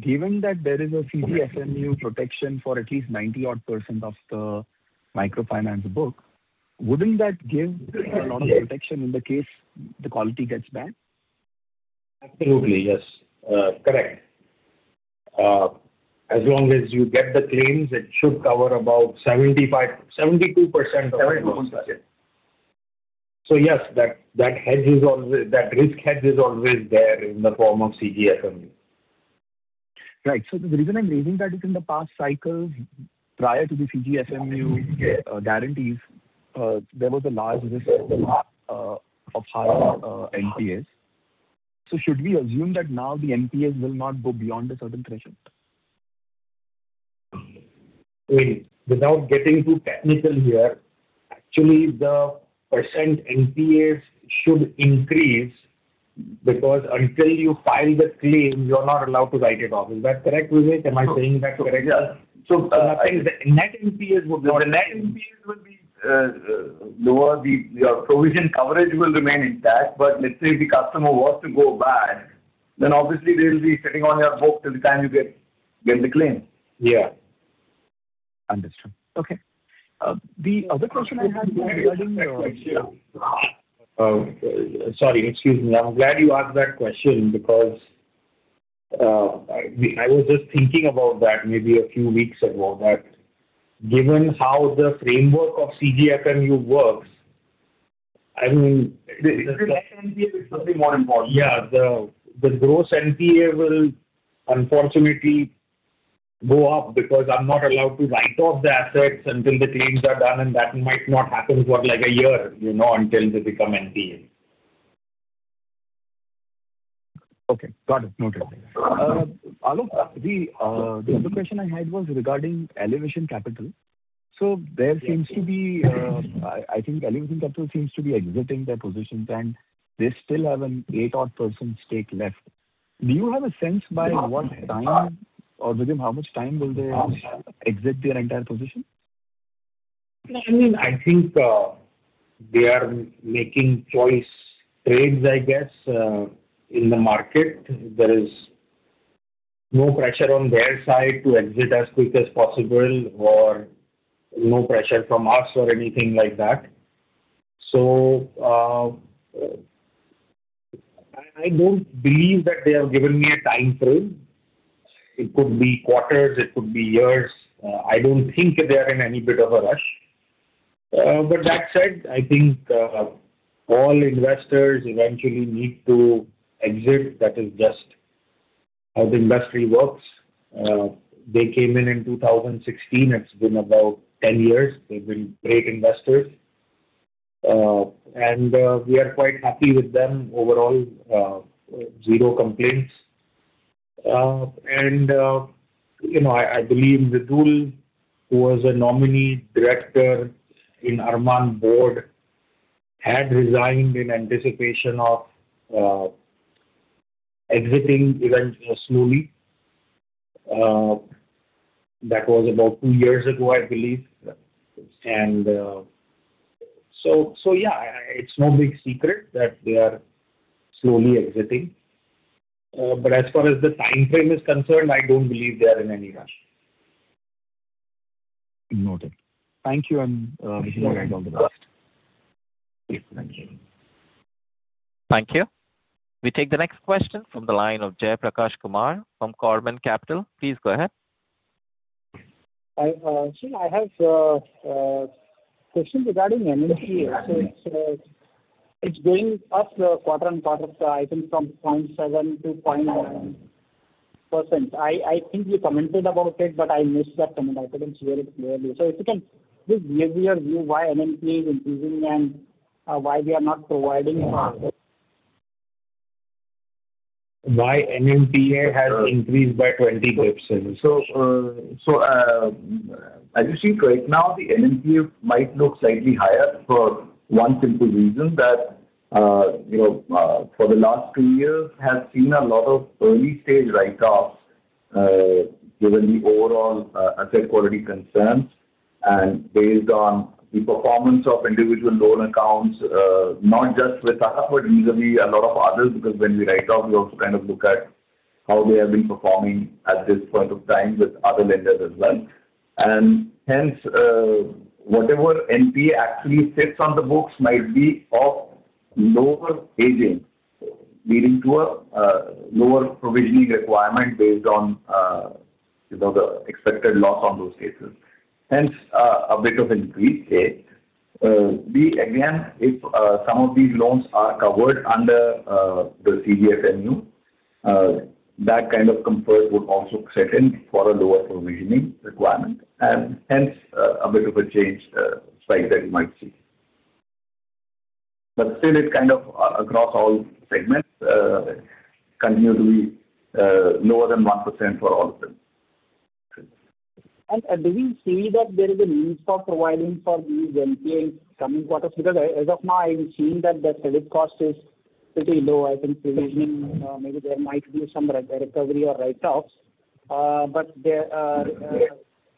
given that there is a CGFMU protection for at least 90-odd% of the microfinance book, wouldn't that give a lot of protection in the case the quality gets bad? Absolutely, yes. Correct. As long as you get the claims, it should cover about 72%. Yes, that risk hedge is always there in the form of CGFMU. Right. The reason I'm raising that is in the past cycles, prior to the CGFMU guarantees, there was a large risk of higher NPAs. Should we assume that now the NPAs will not go beyond a certain threshold? Wait. Without getting too technical here, actually the % NPAs should increase because until you file the claim, you're not allowed to write it off. Is that correct, Vivek? Am I saying that correctly? The net NPAs will be. Your provision coverage will remain intact, but let's say if the customer was to go bad, then obviously they'll be sitting on your book till the time you get the claim. Yeah. Understood. Okay. The other question I had regarding- Sorry, excuse me. I'm glad you asked that question because I was just thinking about that maybe a few weeks ago that given how the framework of CGFMU works, I mean- The NPA is something more important. Yeah. The gross NPA will unfortunately go up because I'm not allowed to write off the assets until the claims are done, and that might not happen for like a year until they become NPA. Okay, got it. Noted. Aalok, the other question I had was regarding Elevation Capital. I think Elevation Capital seems to be exiting their positions and they still have an eight odd % stake left. Do you have a sense by what time or within how much time will they exit their entire position? I think they are making choice trades, I guess, in the market. There is no pressure on their side to exit as quick as possible or no pressure from us or anything like that. I don't believe that they have given me a timeframe. It could be quarters, it could be years. I don't think they are in any bit of a rush. That said, I think all investors eventually need to exit. That is just how the industry works. They came in in 2016. It's been about 10 years. They've been great investors. We are quite happy with them overall, zero complaints. I believe Mridul Arora, who was a nominee director in Arman board, had resigned in anticipation of exiting eventually slowly. That was about two years ago, I believe. So, yeah, it's no big secret that they are slowly exiting. As far as the timeframe is concerned, I don't believe they are in any rush. Noted. Thank you and wish you guys all the best. Yes, thank you. Thank you. We take the next question from the line of Jay Prakash Kumar from Corbin Capital. Please go ahead. Actually, I have a question regarding NNPA. It's going up quarter on quarter, I think from 0.7%-0.9%. I think you commented about it. I missed that comment. I couldn't hear it clearly. If you can just give me your view why NNPA is increasing and why we are not providing for it. Why NNPA has increased by 20 basis? As you see right now, the NNPA might look slightly higher for one simple reason that, for the last two years, has seen a lot of early-stage write-offs given the overall asset quality concerns and based on the performance of individual loan accounts, not just with us, but usually a lot of others, because when we write off, we also kind of look at how they have been performing at this point of time with other lenders as well. Hence, whatever NPA actually sits on the books might be of lower aging, leading to a lower provisioning requirement based on the expected loss on those cases. Hence, a bit of increase say. Again, if some of these loans are covered under the CGFMU, that kind of comfort would also set in for a lower provisioning requirement and hence a bit of a change spike that you might see. Still it's kind of across all segments, continually lower than 1% for all of them. Do we see that there is a need for providing for these NPA in coming quarters? As of now, I'm seeing that the credit cost is pretty low. I think provisioning, maybe there might be some recovery or write-offs.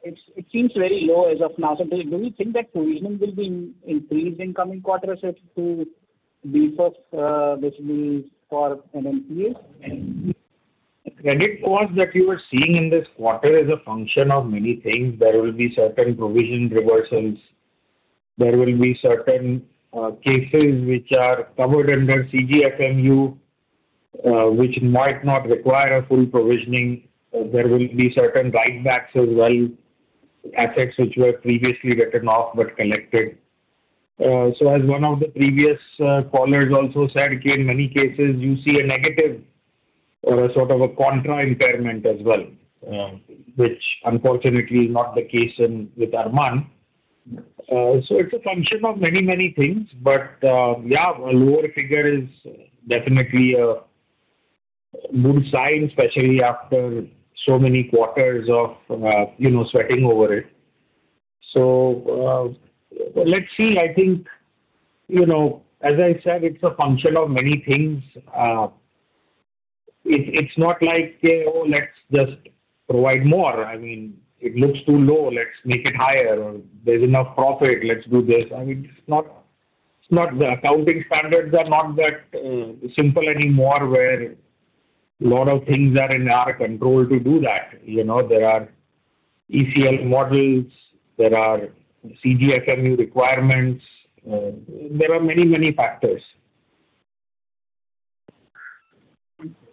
It seems very low as of now. Do we think that provisioning will be increased in coming quarters to beef up this for NNPA? Credit cost that you are seeing in this quarter is a function of many things. There will be certain provision reversals. There will be certain cases which are covered under CGFMU, which might not require a full provisioning. There will be certain write-backs as well, assets which were previously written off but collected. As one of the previous callers also said, in many cases, you see a negative sort of a contra impairment as well, which unfortunately is not the case with Arman. It's a function of many, many things. Yeah, a lower figure is definitely a good sign, especially after so many quarters of sweating over it. Let's see. I think, as I said, it's a function of many things. It's not like, "Oh, let's just provide more. I mean, it looks too low, let's make it higher," or, "There's enough profit, let's do this." I mean, the accounting standards are not that simple anymore where a lot of things are in our control to do that. There are ECL models, there are CGFMU requirements, there are many factors.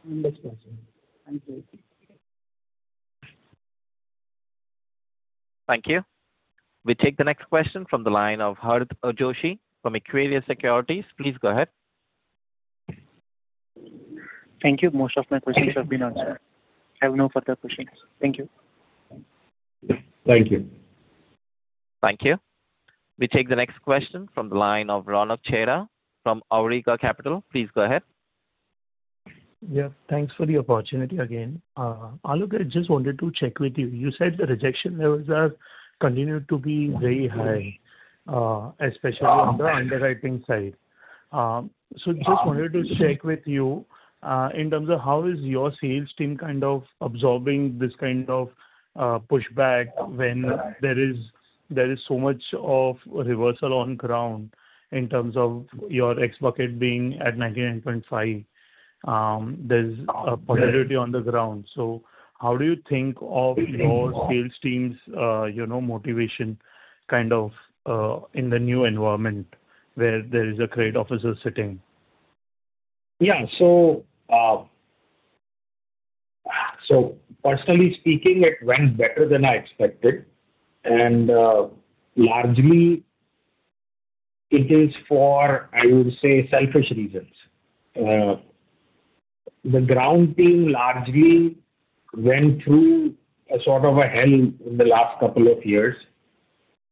Understood, sir. Thank you. Thank you. We take the next question from the line of Hardit Joshi from Aquarius Securities. Please go ahead. Thank you. Most of my questions have been answered. I have no further questions. Thank you. Thank you. Thank you. We take the next question from the line of Ronak Chheda from Awriga Capital. Please go ahead. Yeah. Thanks for the opportunity again. Aalok, I just wanted to check with you. You said the rejection levels have continued to be very high, especially on the underwriting side. Just wanted to check with you in terms of how is your sales team kind of absorbing this kind of pushback when there is so much of reversal on ground in terms of your X bucket being at 99.5. There's a polarity on the ground. How do you think of your sales team's motivation kind of in the new environment where there is a credit officer sitting? Yeah, personally speaking, it went better than I expected, and largely it is for, I would say, selfish reasons. The ground team largely went through a sort of a hell in the last couple of years.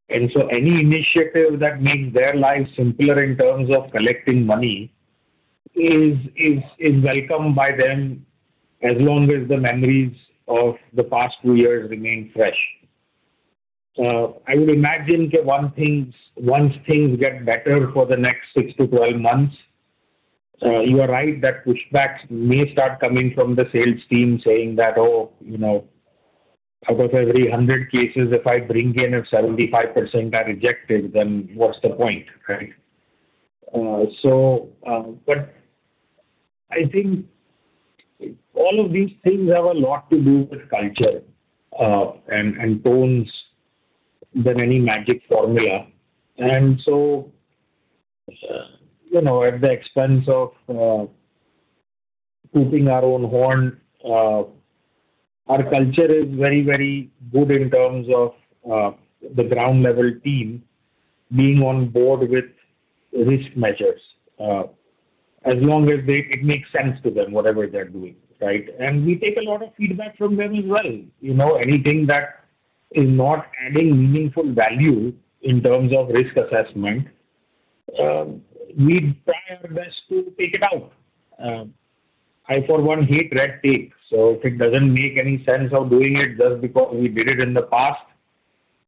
Any initiative that makes their lives simpler in terms of collecting money is welcome by them as long as the memories of the past two years remain fresh. I would imagine that once things get better for the next six to 12 months, you are right, that pushbacks may start coming from the sales team saying that, "Oh, out of every 100 cases, if I bring in, if 75% are rejected, then what's the point?" Right? I think all of these things have a lot to do with culture and tones than any magic formula. At the expense of tooting our own horn, our culture is very, very good in terms of the ground-level team being on board with risk measures, as long as it makes sense to them, whatever they're doing. Right? We take a lot of feedback from them as well. Anything that is not adding meaningful value in terms of risk assessment, we try our best to take it out. I, for one, hate red tape, so if it doesn't make any sense of doing it just because we did it in the past,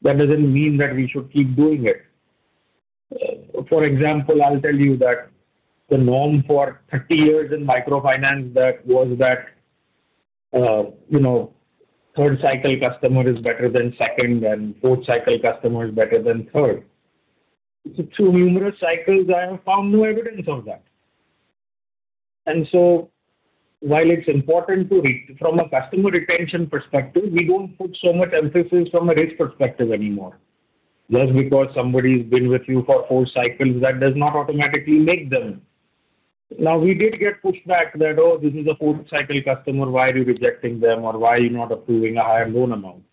that doesn't mean that we should keep doing it. For example, I'll tell you that the norm for 30 years in microfinance was that third-cycle customer is better than second, and fourth-cycle customer is better than third. Through numerous cycles, I have found no evidence of that. While it's important from a customer retention perspective, we don't put so much emphasis from a risk perspective anymore. Just because somebody's been with you for four cycles, that does not automatically make them. Now, we did get pushback that, "Oh, this is a fourth-cycle customer, why are you rejecting them?" Or, "Why are you not approving a higher loan amount?"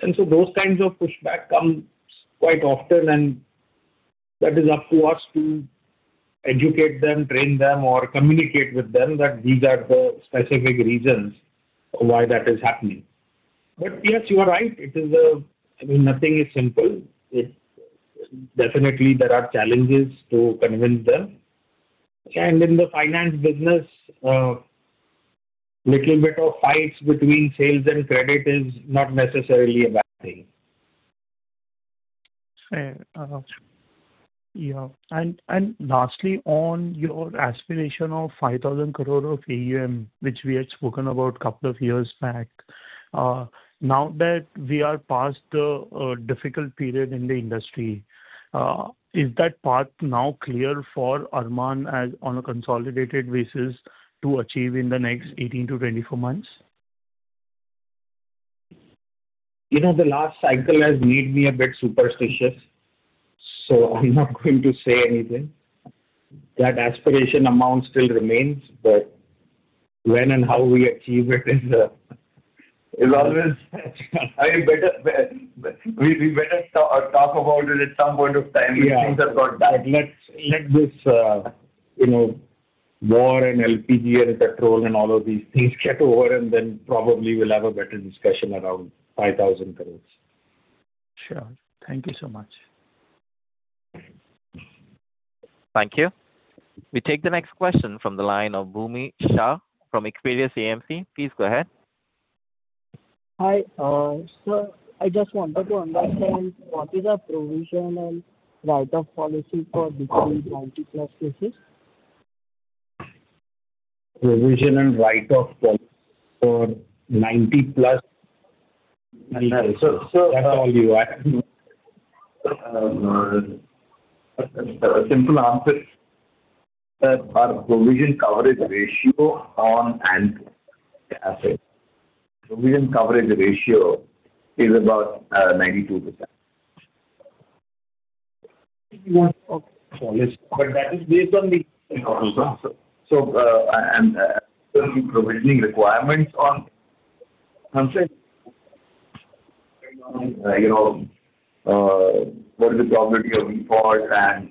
Those kinds of pushback comes quite often, and that is up to us to educate them, train them, or communicate with them that these are the specific reasons why that is happening. Yes, you are right. I mean, nothing is simple. Definitely, there are challenges to convince them. In the finance business, little bit of fights between sales and credit is not necessarily a bad thing. Fair. Yeah. Lastly, on your aspiration of 5,000 crore of AUM, which we had spoken about a couple of years back. Now that we are past the difficult period in the industry, is that path now clear for Arman, as on a consolidated basis, to achieve in the next 18-24 months? The last cycle has made me a bit superstitious. I'm not going to say anything. That aspiration amount still remains. When and how we achieve it, we better talk about it at some point of time when things have got back. Yeah. Let this war and LPG and petrol and all of these things get over, and then probably we'll have a better discussion around 5,000 crores. Sure. Thank you so much. Thank you. We take the next question from the line of [Bhumin Shah] from [Experius AMC]. Please go ahead. Hi. Sir, I just wanted to understand what is our provisional write-off policy for between 90+ cases. Provisional write-off policy for 90+ Yes, sir. That's all you, I don't know. A simple answer, sir. Our provision coverage ratio on and assets. Provision coverage ratio is about 92%. Okay. That is based on the- Certain provisioning requirements on assets. What is the probability of default and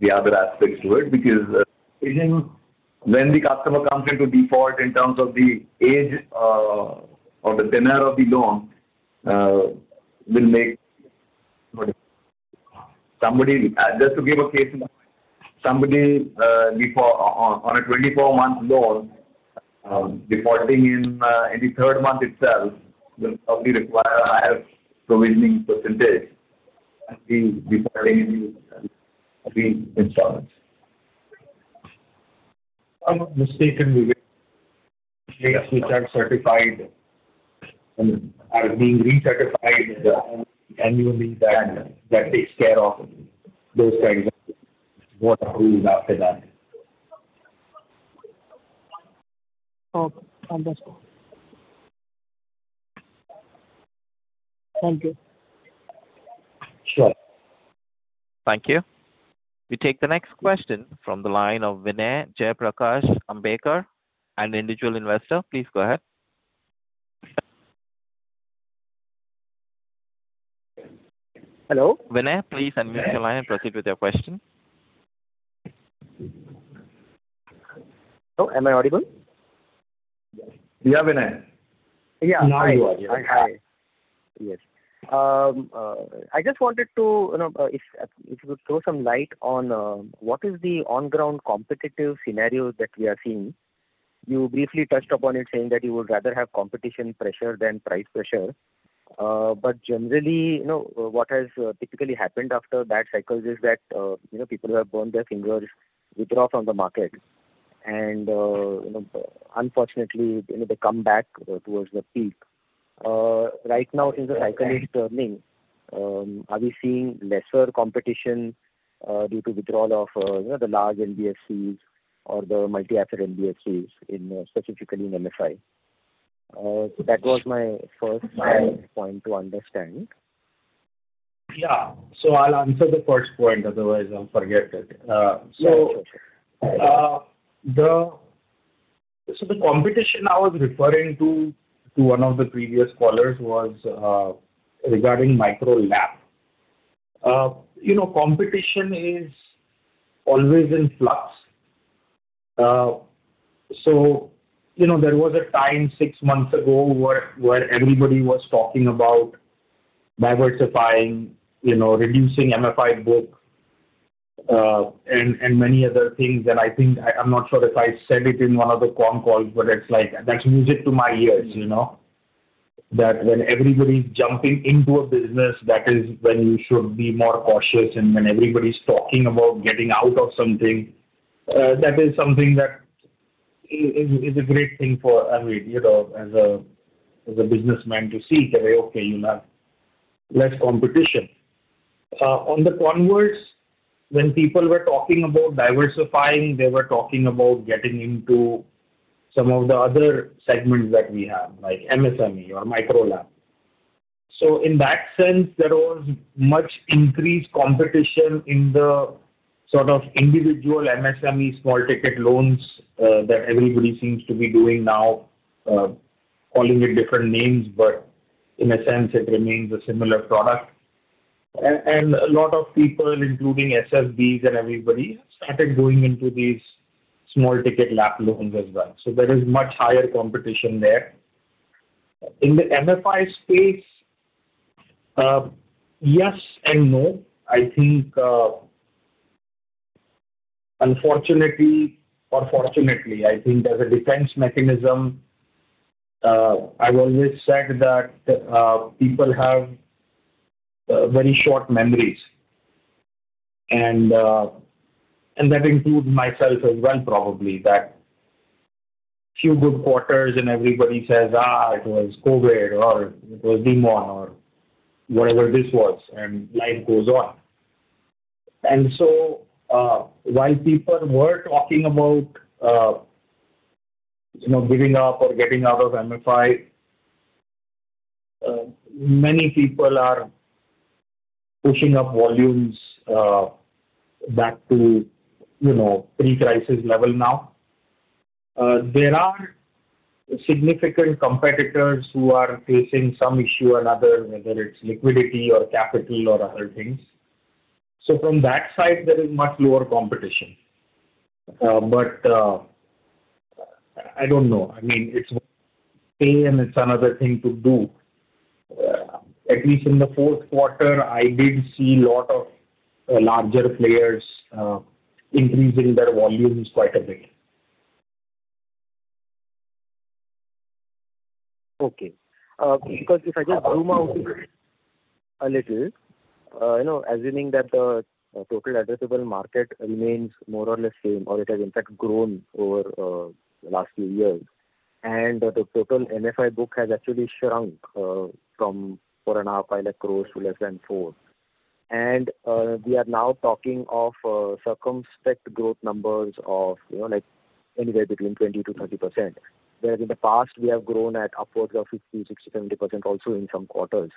the other aspects to it? When the customer comes into default in terms of the age or the tenure of the loan will make. Just to give a case, somebody on a 24-month loan defaulting in the third month itself will probably require a higher provisioning percentage than say defaulting in the 20th installment. If I'm not mistaken, we will which are certified and are being recertified annually. That takes care of those kinds of what rules after that. Okay. Understood. Thank you. Sure. Thank you. We take the next question from the line of Vinay Jayprakash Ambekar, an individual investor. Please go ahead. Hello. Vinay, please unmute your line and proceed with your question. Hello, am I audible? Yeah, Vinay. Yeah. Hi. Now you are, yes. Hi. Yes. I just wondered if you could throw some light on what is the on-ground competitive scenarios that we are seeing. You briefly touched upon it saying that you would rather have competition pressure than price pressure. Generally, what has typically happened after bad cycles is that people who have burned their fingers withdraw from the market and unfortunately, they come back towards the peak. Right now, since the cycle is turning, are we seeing lesser competition due to withdrawal of the large NBFCs or the multi-asset NBFCs specifically in MFI? That was my first point to understand. I'll answer the first point, otherwise I'll forget it. The competition I was referring to one of the previous callers, was regarding micro LAP. Competition is always in flux. There was a time 6 months ago where everybody was talking about diversifying, reducing MFI book, and many other things that I think, I'm not sure if I said it in one of the con calls, but that's music to my ears. When everybody's jumping into a business, that is when you should be more cautious and when everybody's talking about getting out of something, that is something that is a great thing for, as a businessman to see. That way, okay, you have less competition. On the converse, when people were talking about diversifying, they were talking about getting into some of the other segments that we have, like MSME or micro LAP. In that sense, there was much increased competition in the sort of individual MSME small ticket loans that everybody seems to be doing now, calling it different names but in a sense it remains a similar product. A lot of people, including SFBs and everybody, started going into these small ticket LAP loans as well. There is much higher competition there. In the MFI space, yes and no. Unfortunately or fortunately, I think there's a defense mechanism. I've always said that people have very short memories, and that includes myself as well probably, that a few good quarters and everybody says, "It was COVID," or "It was demonetisation," or whatever this was, and life goes on. While people were talking about giving up or getting out of MFI, many people are pushing up volumes back to pre-crisis level now. There are significant competitors who are facing some issue or other, whether it's liquidity or capital or other things. From that side, there is much lower competition. I don't know. It's one thing and it's another thing to do At least in the fourth quarter, I did see lot of larger players increasing their volumes quite a bit. Okay. Because if I just zoom out a little, assuming that the total addressable market remains more or less same, or it has in fact grown over last few years. The total MFI book has actually shrunk from four and a half, I think, crores to less than four crores. We are now talking of circumspect growth numbers of anywhere between 20%-30%, whereas in the past, we have grown at upwards of 50%, 60%, 70% also in some quarters.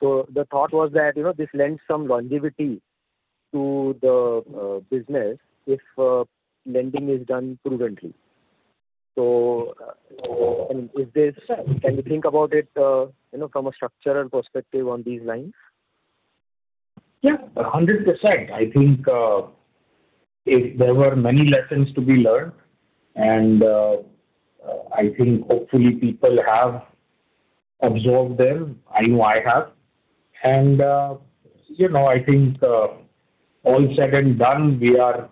The thought was that this lends some longevity to the business if lending is done prudently. Can we think about it from a structural perspective on these lines? Yeah, 100%. I think there were many lessons to be learned and I think hopefully people have absorbed them. I know I have. I think all said and done, we are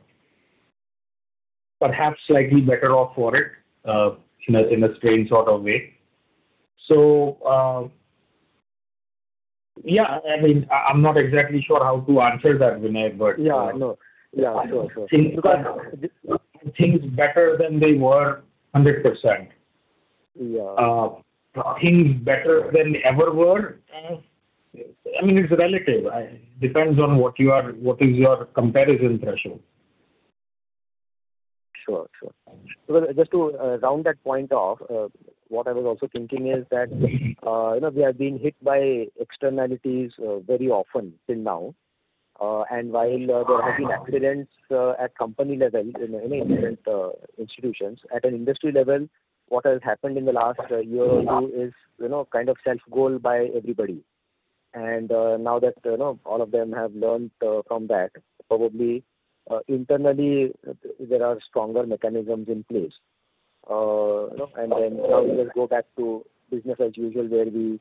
perhaps slightly better off for it in a strange sort of way. I'm not exactly sure how to answer that, Vinay. Yeah, no. Sure. Things better than they were, 100%. Yeah. Things better than they ever were. It's relative. Depends on what is your comparison threshold. Sure. Just to round that point off, what I was also thinking is that we have been hit by externalities very often till now. While there have been accidents at company level in many different institutions. At an industry level, what has happened in the last year or two is kind of self-goal by everybody. Now that all of them have learnt from that, probably internally there are stronger mechanisms in place. Now we will go back to business as usual where we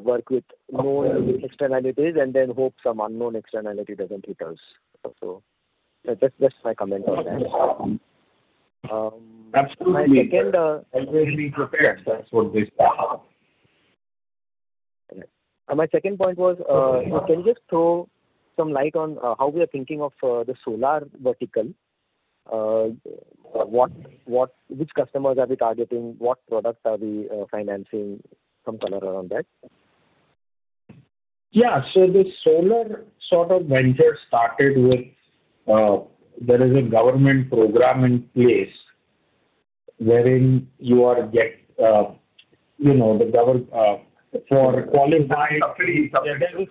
work with known externalities and then hope some unknown externality doesn't hit us. That's just my comment on that. Absolutely. My second- We will be prepared for this. My second point was, can you just throw some light on how we are thinking of the Solar Vertical? Which customers are we targeting? What products are we financing? Some color around that. Yeah. This solar sort of venture started with There's a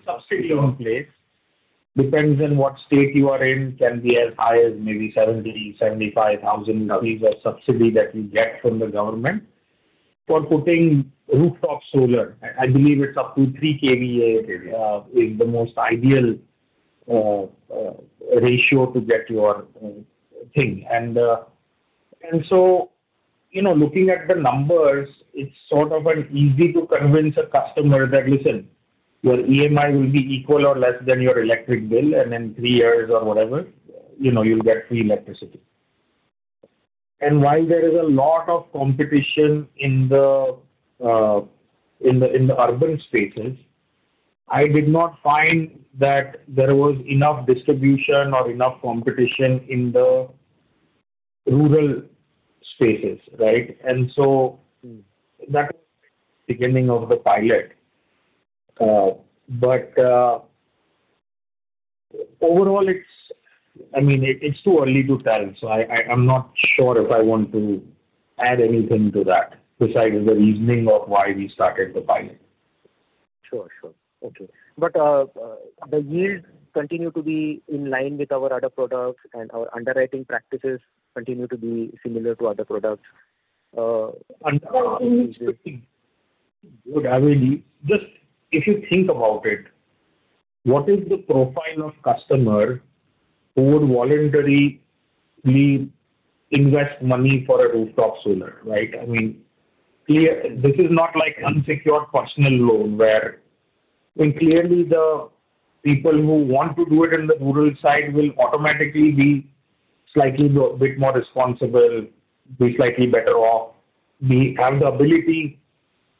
subsidy in place. Depends on what state you are in. Can be as high as maybe 70,000, 75,000 rupees of subsidy that you get from the government for putting rooftop solar. I believe it's up to three KVA is the most ideal ratio to get your thing. Looking at the numbers, it's sort of an easy to convince a customer that, "Listen, your EMI will be equal or less than your electric bill, and in three years or whatever you'll get free electricity." While there is a lot of competition in the urban spaces, I did not find that there was enough distribution or enough competition in the rural spaces, right? That was beginning of the pilot. Overall, it's too early to tell. I'm not sure if I want to add anything to that besides the reasoning of why we started the pilot. Sure. Okay. The yields continue to be in line with our other products, and our underwriting practices continue to be similar to other products? Underwriting is good. Just, if you think about it, what is the profile of customer who would voluntarily invest money for a rooftop solar, right? This is not like unsecured personal loan where clearly the people who want to do it in the rural side will automatically be slightly bit more responsible, be slightly better off, have the ability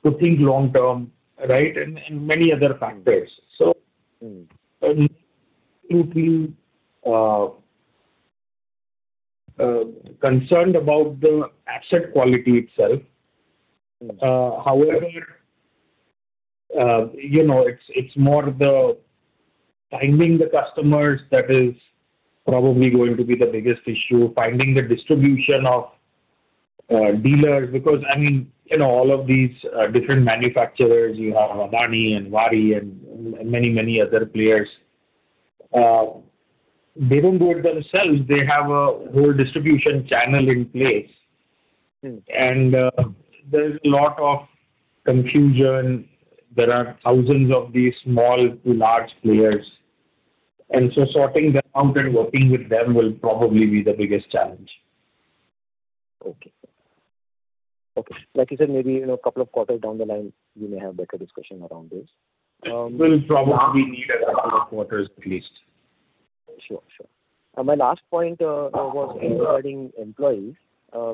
to think long term, right? Many other factors. I'm not completely concerned about the asset quality itself. However, it's more the finding the customers that is probably going to be the biggest issue. Finding the distribution of dealers. All of these different manufacturers, you have Adani and Waaree and many other players. They don't do it themselves. They have a whole distribution channel in place. There's a lot of confusion. There are thousands of these small to large players. Sorting them out and working with them will probably be the biggest challenge. Okay. Like you said, maybe a couple of quarters down the line, we may have better discussion around this. We'll probably need a couple of quarters at least. Sure. My last point was regarding employees,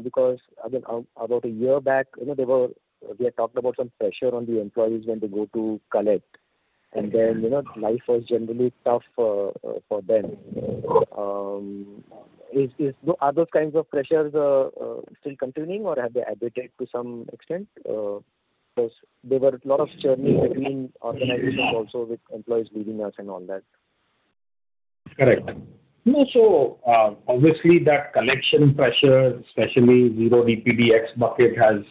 because about a year back, we had talked about some pressure on the employees when they go to collect, and then life was generally tough for them. Are those kinds of pressures still continuing or have they abated to some extent? Because there were a lot of churning between organizations also with employees leaving us and all that. Correct. Obviously that collection pressure, especially zero DPD bucket, has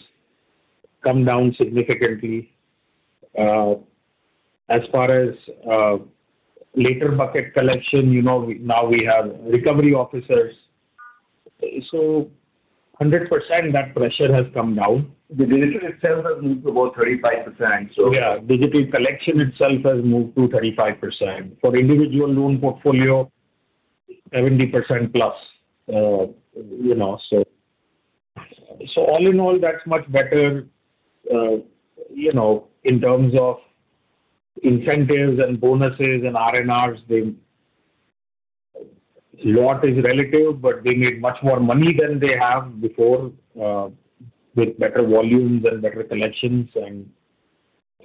come down significantly. As far as later bucket collection, now we have recovery officers. 100%, that pressure has come down. The digital itself has moved to about 35%. Digital collection itself has moved to 35%. For individual loan portfolio, 70%+ All in all, that's much better in terms of incentives and bonuses and R&R. A lot is relative, but they made much more money than they have before, with better volumes and better collections and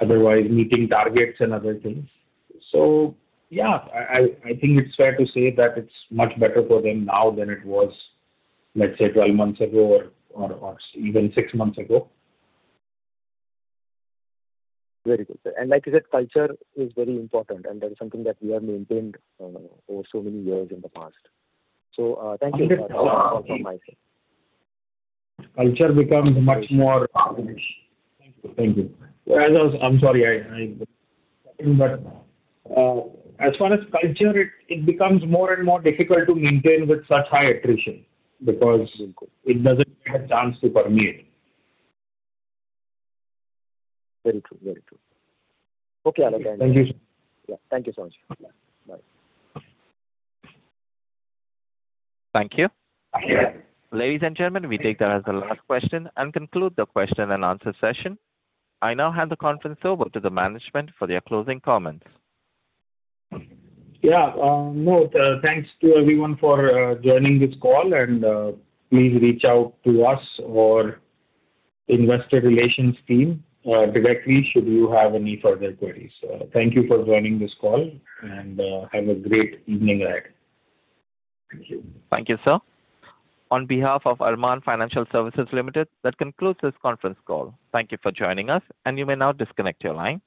otherwise meeting targets and other things. I think it's fair to say that it's much better for them now than it was, let's say, 12 months ago or even six months ago. Very good, sir. Like you said, culture is very important, and that is something that we have maintained over so many years in the past. Thank you for that. That's all from my side. Culture becomes much more Thank you. As far as culture, it becomes more and more difficult to maintain with such high attrition because it doesn't get a chance to permeate. Very true. Okay, Aniket. Thank you. Yeah. Thank you so much. Bye. Thank you. Thank you. Ladies and gentlemen, we take that as the last question and conclude the question and answer session. I now hand the conference over to the management for their closing comments. Yeah. Mohit, Thanks to everyone for joining this call, and please reach out to us or Investor Relations team directly should you have any further queries. Thank you for joining this call, and have a great evening ahead. Thank you. Thank you, sir. On behalf of Arman Financial Services Limited, that concludes this conference call. Thank you for joining us, and you may now disconnect your line.